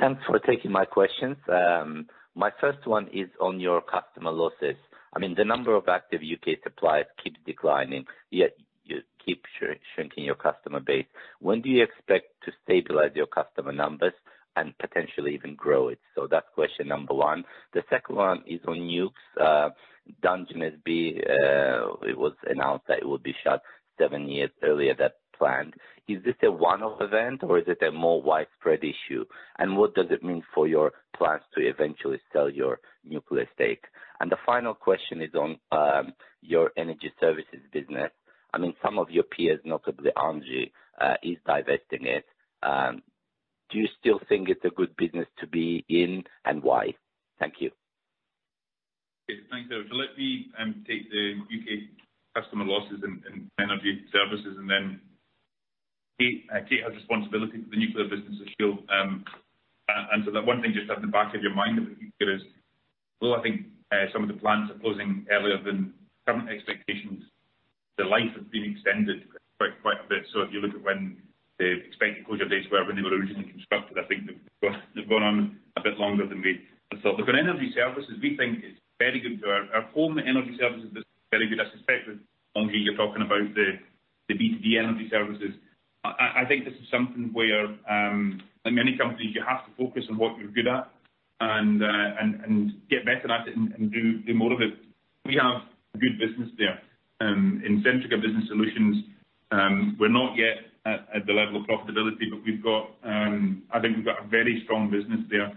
Thanks for taking my questions. My first one is on your customer losses. The number of active U.K. suppliers keeps declining, yet you keep shrinking your customer base. When do you expect to stabilize your customer numbers and potentially even grow it? That's question number one. The second one is on nucs. Dungeness B, it was announced that it will be shut seven years earlier than planned. Is this a one-off event, or is it a more widespread issue? What does it mean for your plans to eventually sell your Nuclear stake? The final question is on your Energy Services business. Some of your peers, notably ENGIE is divesting it. Do you still think it's a good business to be in, and why? Thank you. Thanks, Elchin. Let me take the U.K. customer losses and energy services, then Kate has responsibility for the Nuclear business as sure. The one thing just at the back of your mind, I think there is, although I think some of the plants are closing earlier than current expectations, their life has been extended quite a bit. If you look at when the expected closure dates were when they were originally constructed, I think they've gone on a bit longer than we had thought. On Energy Services, we think it's very good. Our home energy services is very good. I suspect that, ENGIE, you're talking about the B2B energy services. I think this is something where, like many companies, you have to focus on what you're good at and get better at it and do more of it. We have good business there. In Centrica Business Solutions, we're not yet at the level of profitability, but I think we've got a very strong business there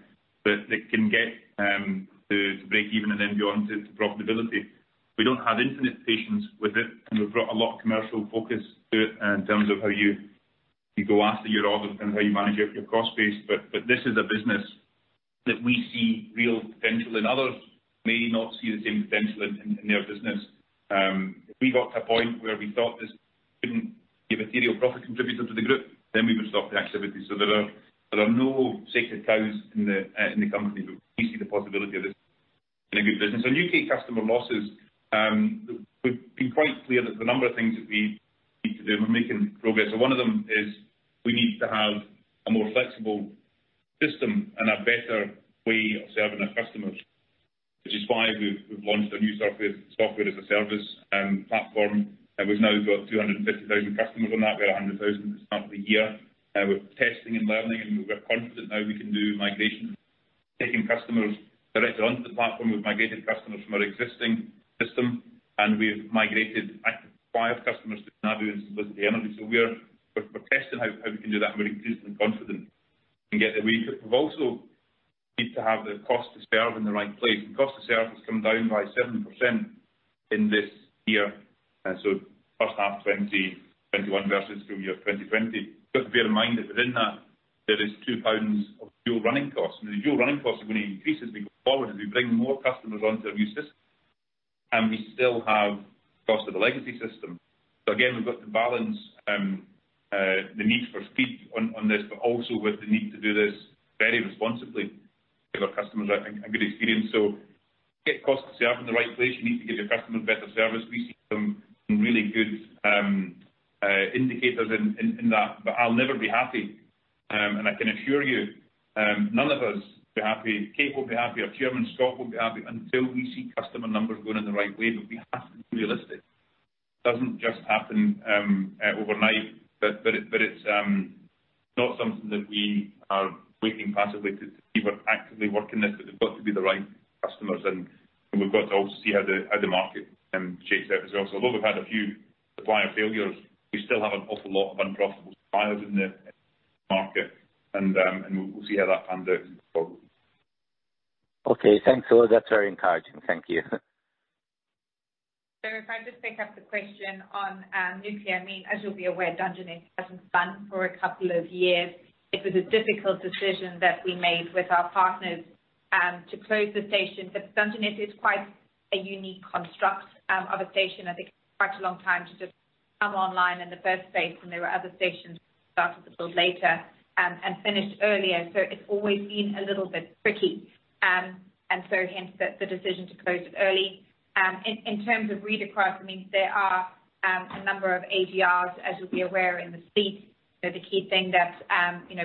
that can get to break even and then go on to profitability. We don't have infinite patience with it, and we've brought a lot of commercial focus to it in terms of how you go after your offers and how you manage your cost base. This is a business that we see real potential in. Others may not see the same potential in their business. If we got to a point where we thought this couldn't be a material profit contributor to the group, then we would stop the activity. There are no sacred cows in the company, but we see the possibility of this being a good business. On U.K. customer losses, we've been quite clear that there are a number of things that we need to do. We're making progress, and one of them is we need to have a more flexible system and a better way of serving our customers, which is why we've launched a new software as a service platform. We've now got 250,000 customers on that. We had 100,000 at the start of the year. We're testing and learning, and we're confident now we can do migration, taking customers directly onto the platform. We've migrated customers from our existing system, and we've migrated active supplier customers to Nabuh and Simplicity Energy. We're testing how we can do that, and we're increasingly confident we can get there. We also need to have the cost to serve in the right place. The cost to serve has come down by 70% in this year, 1st half 2021 versus full year 2020. You've got to bear in mind that within that, there is 2 pounds of dual running costs. Now, the dual running costs are going to increase as we go forward, as we bring more customers onto our new system, and we still have cost of the legacy system. Again, we've got to balance the need for speed on this, but also with the need to do this very responsibly to give our customers, I think, a good experience. Get cost to serve in the right place. You need to give your customers better service. We see some really good indicators in that, but I'll never be happy. I can assure you, none of us will be happy. Kate won't be happy. Our Chairman, Scott, won't be happy until we see customer numbers going in the right way. We have to be realistic. It doesn't just happen overnight. It's not something that we are waiting passively to see. We're actively working this, but they've got to be the right customers, and we've got to also see how the market shapes up as well. Although we've had a few supplier failures, we still have an awful lot of unprofitable suppliers in the market, and we'll see how that pans out going forward. Okay. Thanks, all. That's very encouraging. Thank you. If I just pick up the question on Nuclear. As you'll be aware, Dungeness hasn't run for a couple of years. It was a difficult decision that we made with our partners to close the station. Dungeness is quite a unique construct of a station. I think it took quite a long time to just come online in the first place, and there were other stations that started to build later and finished earlier. It's always been a little bit tricky, and so hence the decision to close it early. In terms of reactor, there are a number of AGRs, as you'll be aware, in the fleet. The key thing that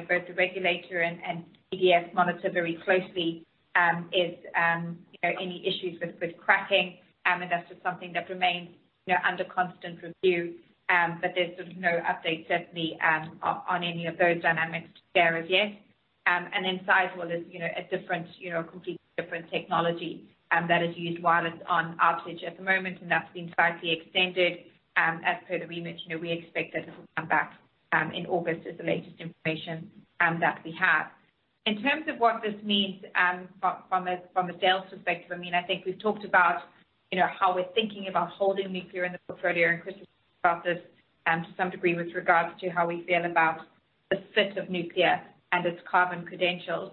both the regulator and EDF monitor very closely is any issues with cracking, and that's just something that remains under constant review. There's no update certainly on any of those dynamics to share as yet. Sizewell is a completely different technology that is used while it's on outage at the moment, and that's been slightly extended. As per the remit, we expect that it will come back in August is the latest information that we have. In terms of what this means from a sales perspective, I think we've talked about how we're thinking about holding Nuclear in the portfolio, and Chris has talked about this to some degree with regards to how we feel about the fit of Nuclear and its carbon credentials.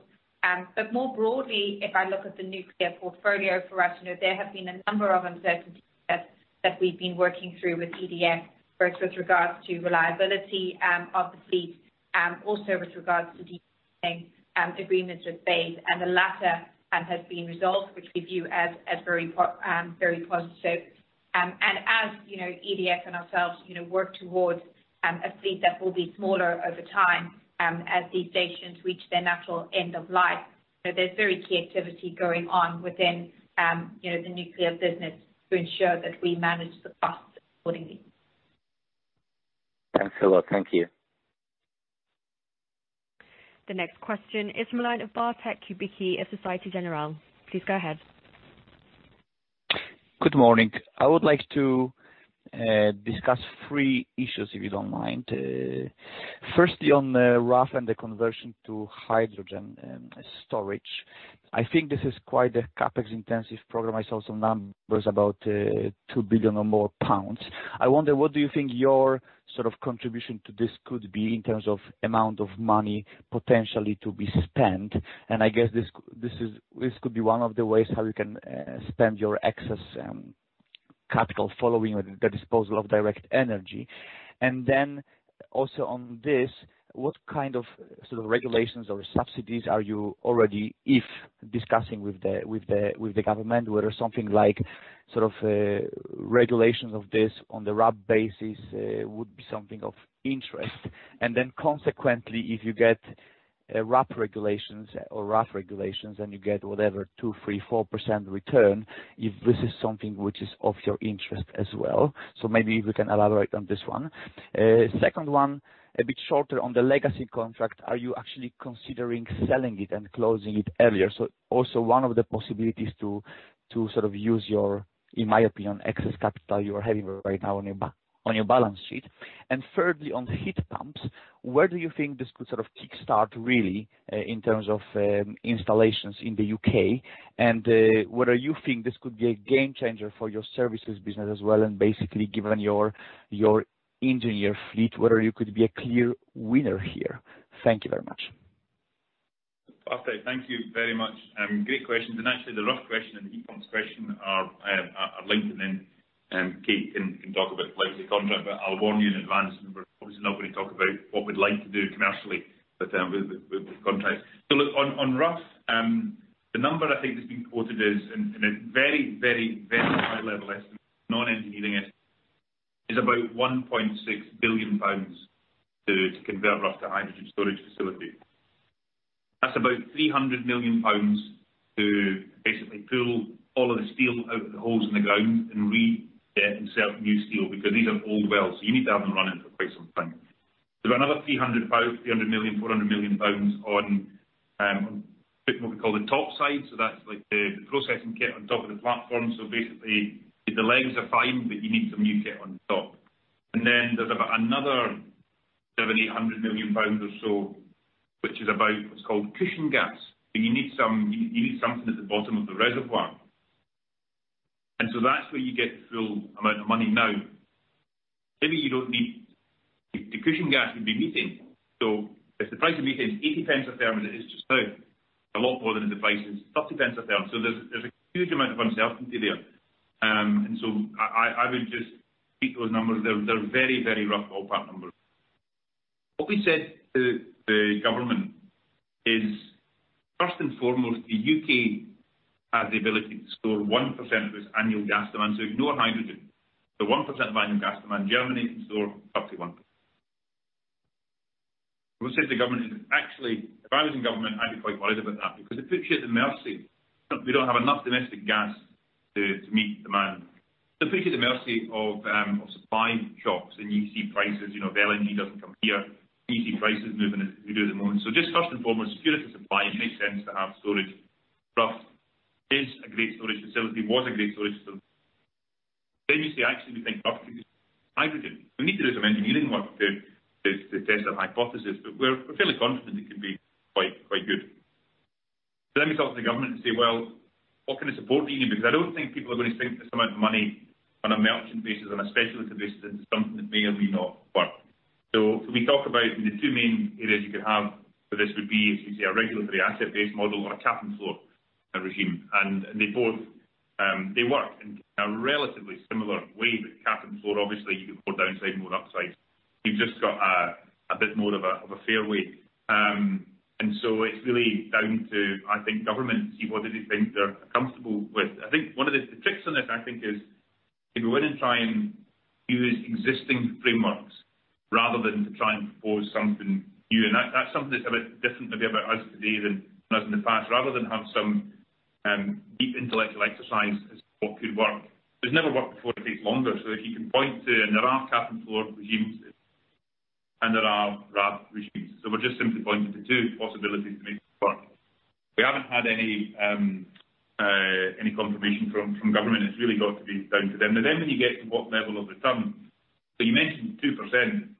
More broadly, if I look at the Nuclear portfolio for us, there have been a number of uncertainties that we've been working through with EDF, both with regards to reliability of the fleet, also with regards to agreements with BEIS, and the latter has been resolved, which we view as very positive. As EDF and ourselves work towards a fleet that will be smaller over time, as these stations reach their natural end of life. There's very key activity going on within the Nuclear business to ensure that we manage the costs accordingly. Thanks a lot. Thank you. The next question is from the line of Bartlomiej Kubicki of Société Générale. Please go ahead. Good morning. I would like to discuss three issues, if you don't mind. Firstly, on Rough and the conversion to hydrogen storage. I think this is quite a CapEx-intensive program. I saw some numbers about 2 billion or more. I wonder, what do you think your contribution to this could be in terms of amount of money potentially to be spent? I guess this could be one of the ways how you can spend your excess capital following the disposal of Direct Energy. Also on this, what kind of regulations or subsidies are you already, if discussing with the government, whether something like regulations of this on the RAB basis would be something of interest. Consequently, if you get RAB regulations or Rough regulations and you get whatever 2%-4% return, if this is something which is of your interest as well. Maybe if you can elaborate on this one. Second one, a bit shorter on the legacy contract. Are you actually considering selling it and closing it earlier? Also one of the possibilities to use your, in my opinion, excess capital you are having right now on your balance sheet. Thirdly, on heat pumps, where do you think this could kickstart really in terms of installations in the U.K.? Whether you think this could be a game changer for your services business as well, and basically given your engineer fleet, whether you could be a clear winner here. Thank you very much. Bartek, thank you very much. Great questions. Actually, the Rough question and the heat pumps question are linked, and then Kate can talk about the legacy contract. I'll warn you in advance, we're obviously not going to talk about what we'd like to do commercially with contracts. Look on Rough, the number I think that's been quoted is in a very high level estimate, non-engineering estimate, is about 1.6 billion pounds to convert Rough to a hydrogen storage facility. That's about 300 million pounds to basically pull all of the steel out of the holes in the ground and reinsert new steel, because these are old wells, so you need to have them running for quite some time. There are another 300 million, 400 million pounds on what we call the top side, so that's like the processing kit on top of the platform. Basically, the legs are fine, but you need some new kit on top. Then there's another 700 million pounds, 800 million pounds or so, which is about what's called cushion gas. You need something at the bottom of the reservoir. That's where you get the full amount of money now. Maybe you don't need the cushion gas you'd be using. If the price of heating is 0.80 a therm as it is just now, a lot more than if the price is 0.30 a therm. There's a huge amount of uncertainty there. I would just treat those numbers, they're very rough ballpark numbers. What we said to the government is, first and foremost, the U.K. has the ability to store 1% of its annual gas demand. Ignore hydrogen. 1% of annual gas demand. Germany can store 31%. What we said to the government is actually, if I was in government, I'd be quite worried about that because it puts you at the mercy. We don't have enough domestic gas to meet demand. It puts you at the mercy of supply shocks, and you see prices, if LNG doesn't come here, you see prices moving as we do at the moment. Just first and foremost, security supply, it makes sense to have storage. Rough is a great storage facility, was a great storage facility. We say, actually, we think Rough can use hydrogen. We need to do some engineering work to test that hypothesis, we're fairly confident it can be quite good. We talk to the government and say, "Well, what kind of support do you need?" Because I don't think people are going to spend this amount of money on a merchant basis, on a speculative basis, into something that may or may not work. We talk about the two main areas you could have for this would be, as you say, a regulatory asset-based model or a cap and floor regime. They both work in a relatively similar way, but cap and floor, obviously, you can go downside, more upside. You've just got a bit more of a fairway. It's really down to, I think, government to see what it is things they're comfortable with. I think one of the tricks on this, I think is go in and try and use existing frameworks rather than to try and propose something new. That's something that's a bit different maybe about us today than us in the past. Rather than have some deep intellectual exercise as what could work. If it's never worked before, it takes longer. If you can point to, there are cap and floor regimes, there are RAB regimes. We're just simply pointing to two possibilities to make it work. We haven't had any confirmation from government. It's really got to be down to them. When you get to what level of return. You mentioned 2%.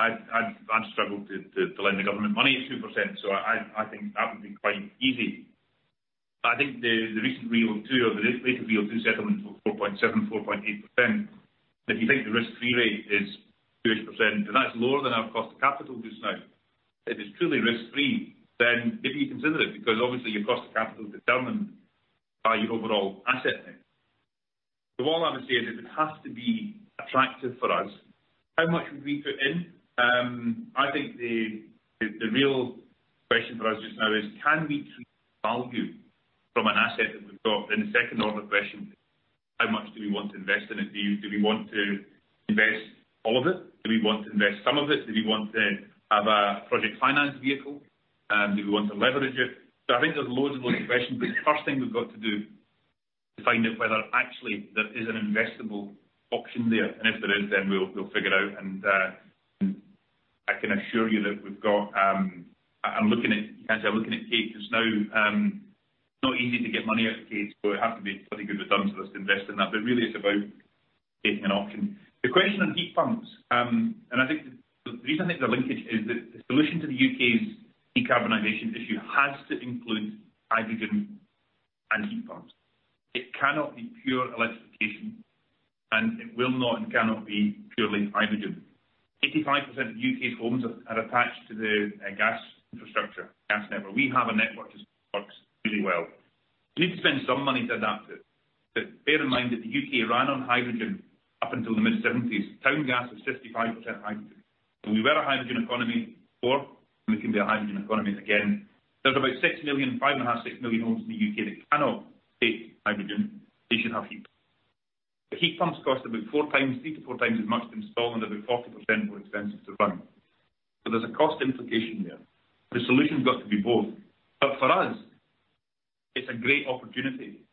I'd struggle to lend the government money at 2%, I think that would be quite easy. I think the recent RIIO-2 or the latest RIIO-2 settlement was 4.7%, 4.8%. If you think the risk-free rate is 2-ish%, that's lower than our cost of capital just now. If it's truly risk-free, then maybe you consider it, because obviously, your cost of capital is determined by your overall asset mix. All I would say is it has to be attractive for us. How much would we put in? I think the real question for us just now is, can we create value from an asset that we've got. The second order question, how much do we want to invest in it? Do we want to invest all of it? Do we want to invest some of it? Do we want to have a project finance vehicle? Do we want to leverage it? I think there's loads and loads of questions. The first thing we've got to do to find out whether actually there is an investable option there. If there is, then we'll figure it out. I can assure you that we've got I'm looking at Kate just now. It's not easy to get money out of Kate, so it has to be pretty good returns for us to invest in that. Really it's about taking an option. The question on heat pumps, the reason I think there's a linkage is that the solution to the U.K.'s decarbonization issue has to include hydrogen and heat pumps. It cannot be pure electrification, it will not and cannot be purely hydrogen. 85% of U.K.'s homes are attached to the gas infrastructure, gas network. We have a network which works really well. We need to spend some money to adapt it. Bear in mind that the U.K. ran on hydrogen up until the mid-1970s. Town gas was 55% hydrogen. We were a hydrogen economy before, and we can be a hydrogen economy again. There's about 6 million, 5.5 million, 6 million homes in the U.K. that cannot take hydrogen. They should have heat. Heat pumps cost about 4x, 3x-4x as much to install and about 40% more expensive to run. There's a cost implication there. The solution's got to be both. For us, it's a great opportunity.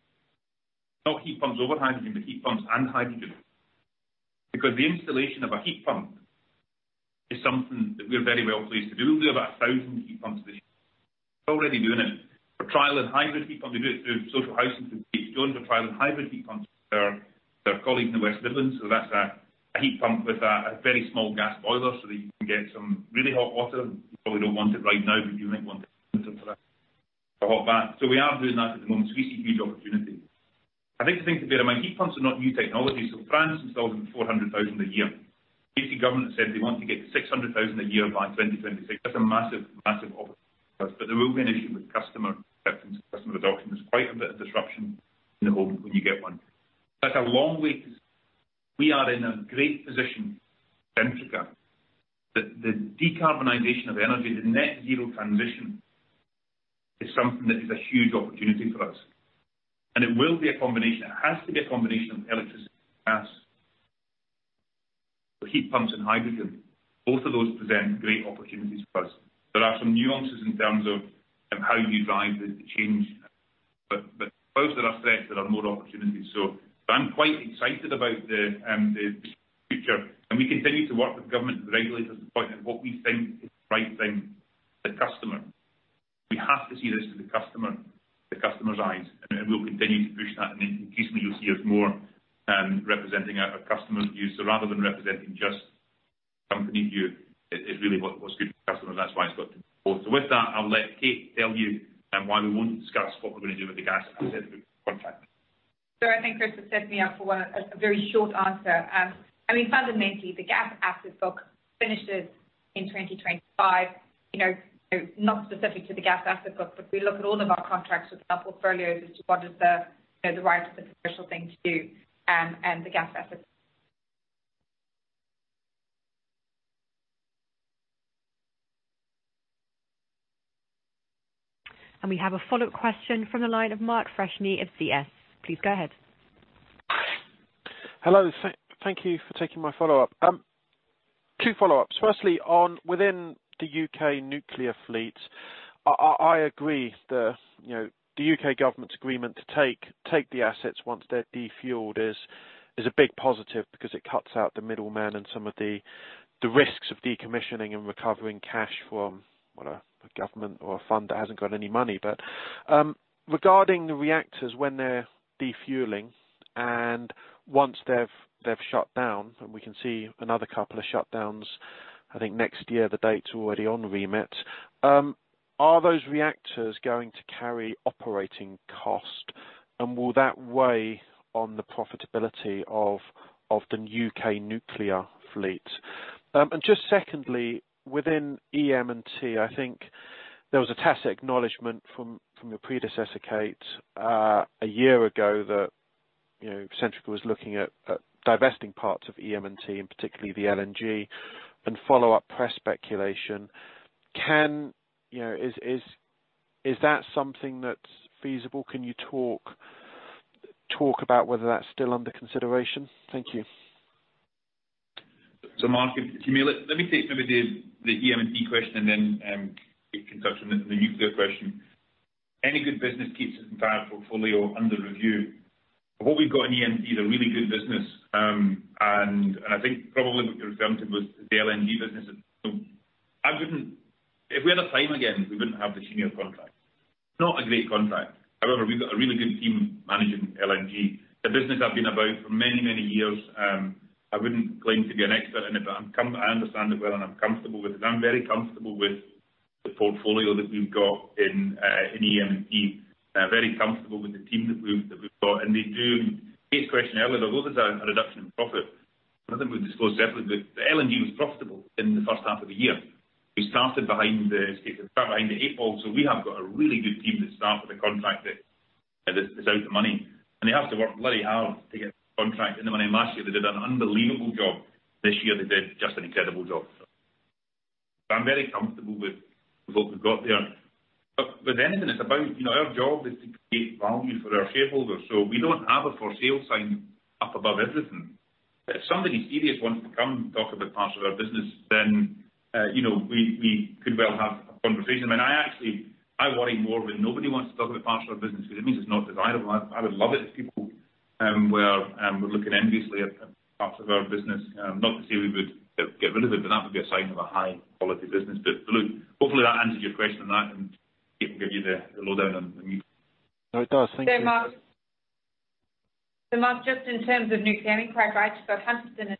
Not heat pumps over hydrogen, but heat pumps and hydrogen. The installation of a heat pump is something that we're very well-placed to do. We do about 1,000 heat pumps a year. We're already doing it for trial and hybrid heat pumps. We do it through social housing for trial and hybrid heat pumps with our colleague in the West Midlands. That's a heat pump with a very small gas boiler so that you can get some really hot water. You probably don't want it right now, but you might want it in the winter for that hot bath. We are doing that at the moment. We see huge opportunity. I think to bear in mind, heat pumps are not new technology. France installs 400,000 a year. U.K. government said they want to get to 600,000 a year by 2026. That's a massive opportunity for us. There will be an issue with customer acceptance, customer adoption. There's quite a bit of disruption in the home when you get one. That's a long way. We are in a great position, Centrica. The decarbonization of energy, the net zero transition is something that is a huge opportunity for us. It will be a combination. It has to be a combination of electricity, gas, so heat pumps and hydrogen. Both of those present great opportunities for us. There are some nuances in terms of how you drive the change. Those that are threats, there are more opportunities. I'm quite excited about the future, and we continue to work with government and regulators to the point of what we think is the right thing for the customer. We have to see this through the customer, the customer's eyes, and we'll continue to push that. Increasingly, you'll see us more representing our customer's view. Rather than representing just company view, it's really what's good for the customer. That's why it's got to be both. With that, I'll let Kate tell you why we won't discuss what we're going to do with the gas asset group contract. I think Chris has set me up for a very short answer. Fundamentally, the gas asset book finishes in 2025. Not specific to the gas asset book, but we look at all of our contracts with our portfolios as to what is the right and commercial thing to do and the gas asset. We have a follow-up question from the line of Mark Freshney of CS. Please go ahead. Hello. Thank you for taking my follow-up. Two follow-ups. Firstly, on within the U.K. Nuclear fleet, I agree the U.K. government's agreement to take the assets once they're defueled is a big positive because it cuts out the middleman and some of the risks of decommissioning and recovering cash from a government or a fund that hasn't got any money. Regarding the reactors, when they're defueling and once they've shut down, and we can see another couple of shutdowns, I think next year, the date's already on remit. Are those reactors going to carry operating cost? Will that weigh on the profitability of the U.K. Nuclear fleet? Just secondly, within EM&T, I think there was a tacit acknowledgment from your predecessor, Kate, a year ago that Centrica was looking at divesting parts of EM&T, and particularly the LNG, and follow-up press speculation. Is that something that's feasible? Can you talk about whether that's still under consideration? Thank you. Mark, let me take maybe the EM&T question and then Kate can touch on the Nuclear question. Any good business keeps its entire portfolio under review. What we've got in EM&T is a really good business. I think probably what you're referring to was the LNG business. If we had our time again, we wouldn't have the Cheniere contract. Not a great contract. However, we've got a really good team managing LNG. It's a business that's been about for many, many years. I wouldn't claim to be an expert in it, but I understand it well, and I'm comfortable with it. I'm very comfortable with the portfolio that we've got in EM&T. Very comfortable with the team that we've got. Kate's question earlier, although there's a reduction in profit, I think we've disclosed separately, but LNG was profitable in the 1st half of the year. We started behind the eight ball, so we have got a really good team that start with a contract that is out of money, and they have to work very hard to get the contract in the money. Last year they did an unbelievable job. This year they did just an incredible job. I'm very comfortable with what we've got there. Again, our job is to create value for our shareholders. We don't have a for sale sign up above everything. If somebody serious wants to come talk about parts of our business, then we could well have a conversation. I worry more when nobody wants to talk about parts of our business because it means it's not desirable. I would love it if people were looking enviously at parts of our business. Not to say we would get rid of it, but that would be a sign of a high-quality business. Look, hopefully, that answers your question on that, and Kate can give you the lowdown on. No, it does. Thank you. Mark, just in terms of Nuclear inquiry, so Hunterston at this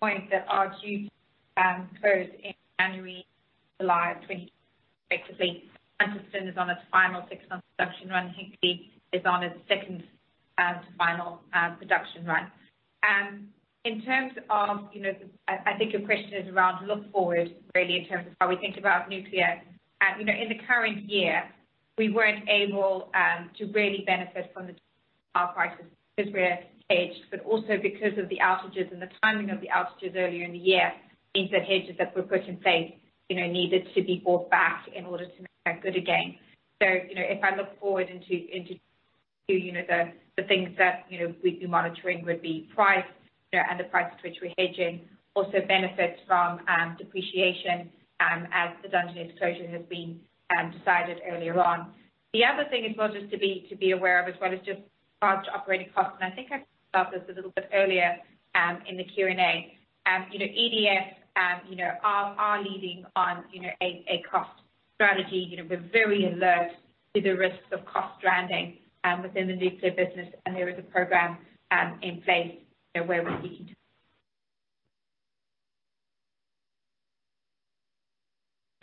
point that are due close in January, July of 2020, effectively. Hunterston is on its final six-month production run. Hinkley is on its second to final production run. I think your question is around look forward, really, in terms of how we think about Nuclear. In the current year, we weren't able to really benefit from the power crisis because we're hedged, but also because of the outages and the timing of the outages earlier in the year means that hedges that were put in place needed to be bought back in order to make that good again. If I look forward into the things that we'd be monitoring would be price and the price at which we're hedging. Also benefit from depreciation, as the Dungeness closure has been decided earlier on. The other thing, I suppose, just to be aware of as well is just large operating costs, and I think I covered this a little bit earlier in the Q&A. EDF are leading on a cost strategy. We're very alert to the risks of cost grounding within the Nuclear business, and there is a program in place where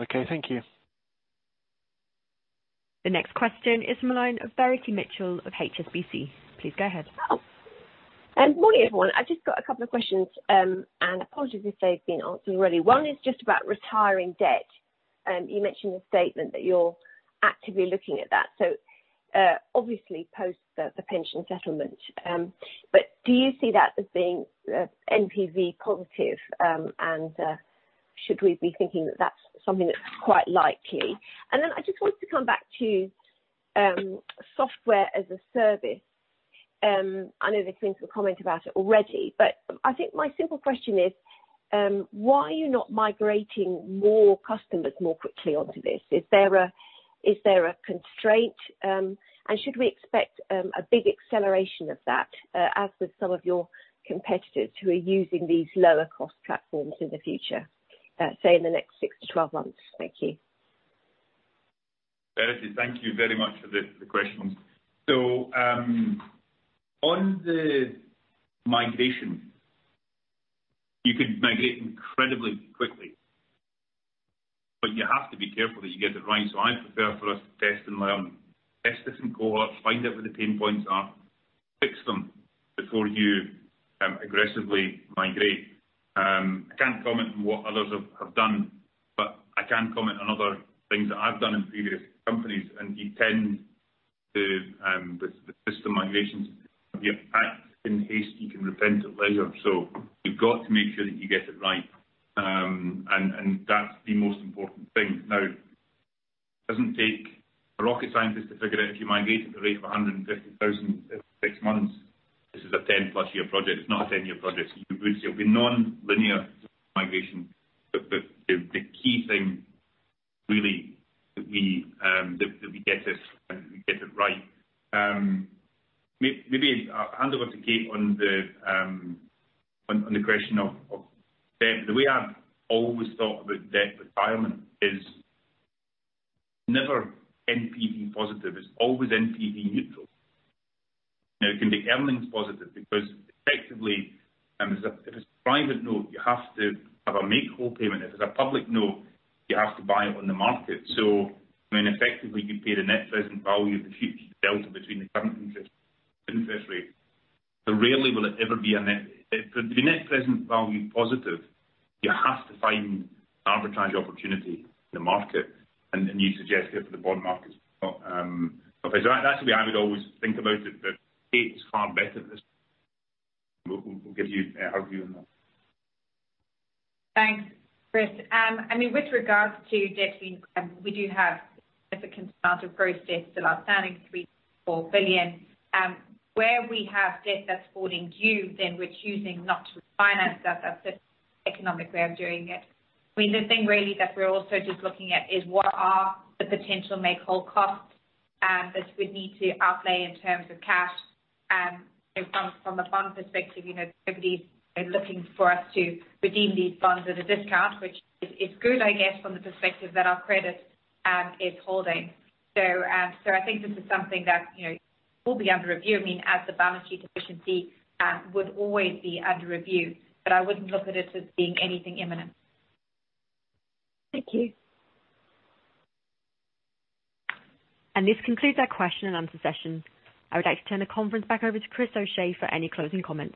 we- Okay, thank you. The next question is the line of Verity Mitchell of HSBC. Please go ahead. Morning, everyone. I've just got a couple of questions, and apologies if they've been answered already. One is just about retiring debt. You mentioned in the statement that you're actively looking at that. Obviously post the pension settlement. Do you see that as being NPV positive, and should we be thinking that that's something that's quite likely? Then I just wanted to come back to software as a service. I know there's been some comment about it already, but I think my simple question is, why are you not migrating more customers more quickly onto this? Is there a constraint? Should we expect a big acceleration of that as with some of your competitors who are using these lower-cost platforms in the future, say, in the next 6-12 months? Thank you. Verity, thank you very much for the questions. On the migration, you could migrate incredibly quickly. You have to be careful that you get it right. I prefer for us to test and learn. Test this in core, find out where the pain points are, fix them before you aggressively migrate. I can't comment on what others have done, but I can comment on other things that I've done in previous companies. You tend to, with system migrations, you act in haste, you can repent at leisure. You've got to make sure that you get it right. That's the most important thing. Now, it doesn't take a rocket scientist to figure out if you migrate at the rate of 150,000 every six months, this is a 10+ year project. It's not a 10-year project. It would still be non-linear migration. The key thing really that we get it right. Maybe I'll hand over to Kate on the question of debt. The way I've always thought about debt retirement is never NPV positive. It's always NPV neutral. It can be earnings positive because effectively, if it's a private note, you have to have a make-whole payment. If it's a public note, you have to buy it on the market. Effectively, you pay the net present value of the future delta between the current interest rate. For the net present value positive, you have to find arbitrage opportunity in the market, and you suggested it for the bond market. That's the way I would always think about it, Kate's far better at this. We'll get you our view on that. Thanks, Chris. With regards to debt, we do have significant amount of gross debt still outstanding, 3 billion, 4 billion. Where we have debt that's falling due, then we're choosing not to refinance that. That's the economic way of doing it. The thing really that we're also just looking at is what are the potential make-whole costs that we'd need to outlay in terms of cash from a bond perspective. Everybody's looking for us to redeem these bonds at a discount, which is good, I guess, from the perspective that our credit is holding. I think this is something that will be under review, as the balance sheet efficiency would always be under review. I wouldn't look at it as being anything imminent. Thank you. This concludes our question-and-answer session. I would like to turn the conference back over to Chris O'Shea for any closing comments.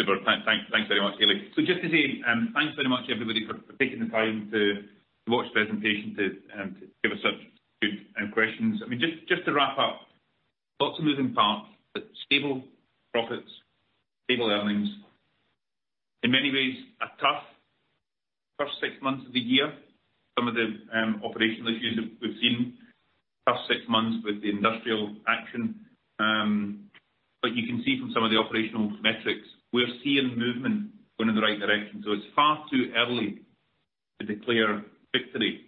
Super. Thanks very much, Haley. Just to say, thanks very much, everybody, for taking the time to watch the presentation, to give us such good questions. Just to wrap up, lots of moving parts, but stable profits, stable earnings. In many ways, a tough first six months of the year. Some of the operational issues that we've seen. Tough six months with the industrial action. You can see from some of the operational metrics, we're seeing movement going in the right direction. It's far too early to declare victory.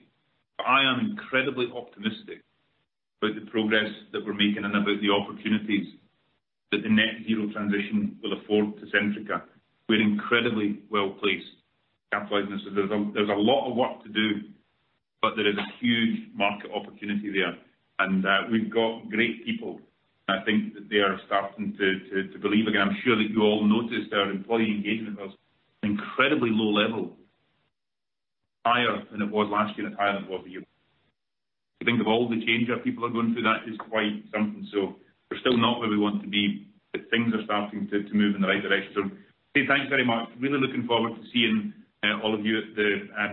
I am incredibly optimistic about the progress that we're making and about the opportunities that the net zero transition will afford to Centrica. We're incredibly well-placed to capitalize on this. There's a lot of work to do, but there is a huge market opportunity there. We've got great people. I think that they are starting to believe again. I'm sure that you all noticed our employee engagement was incredibly low level. Higher than it was last year and higher than it was the year before. To think of all the change our people are going through, that is quite something. We're still not where we want to be, but things are starting to move in the right direction. Thanks very much. Really looking forward to seeing all of you at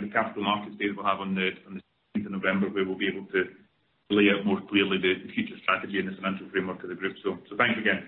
the Capital Markets Day that we'll have on the 17th of November, where we'll be able to lay out more clearly the future strategy and the financial framework of the group. Thanks again.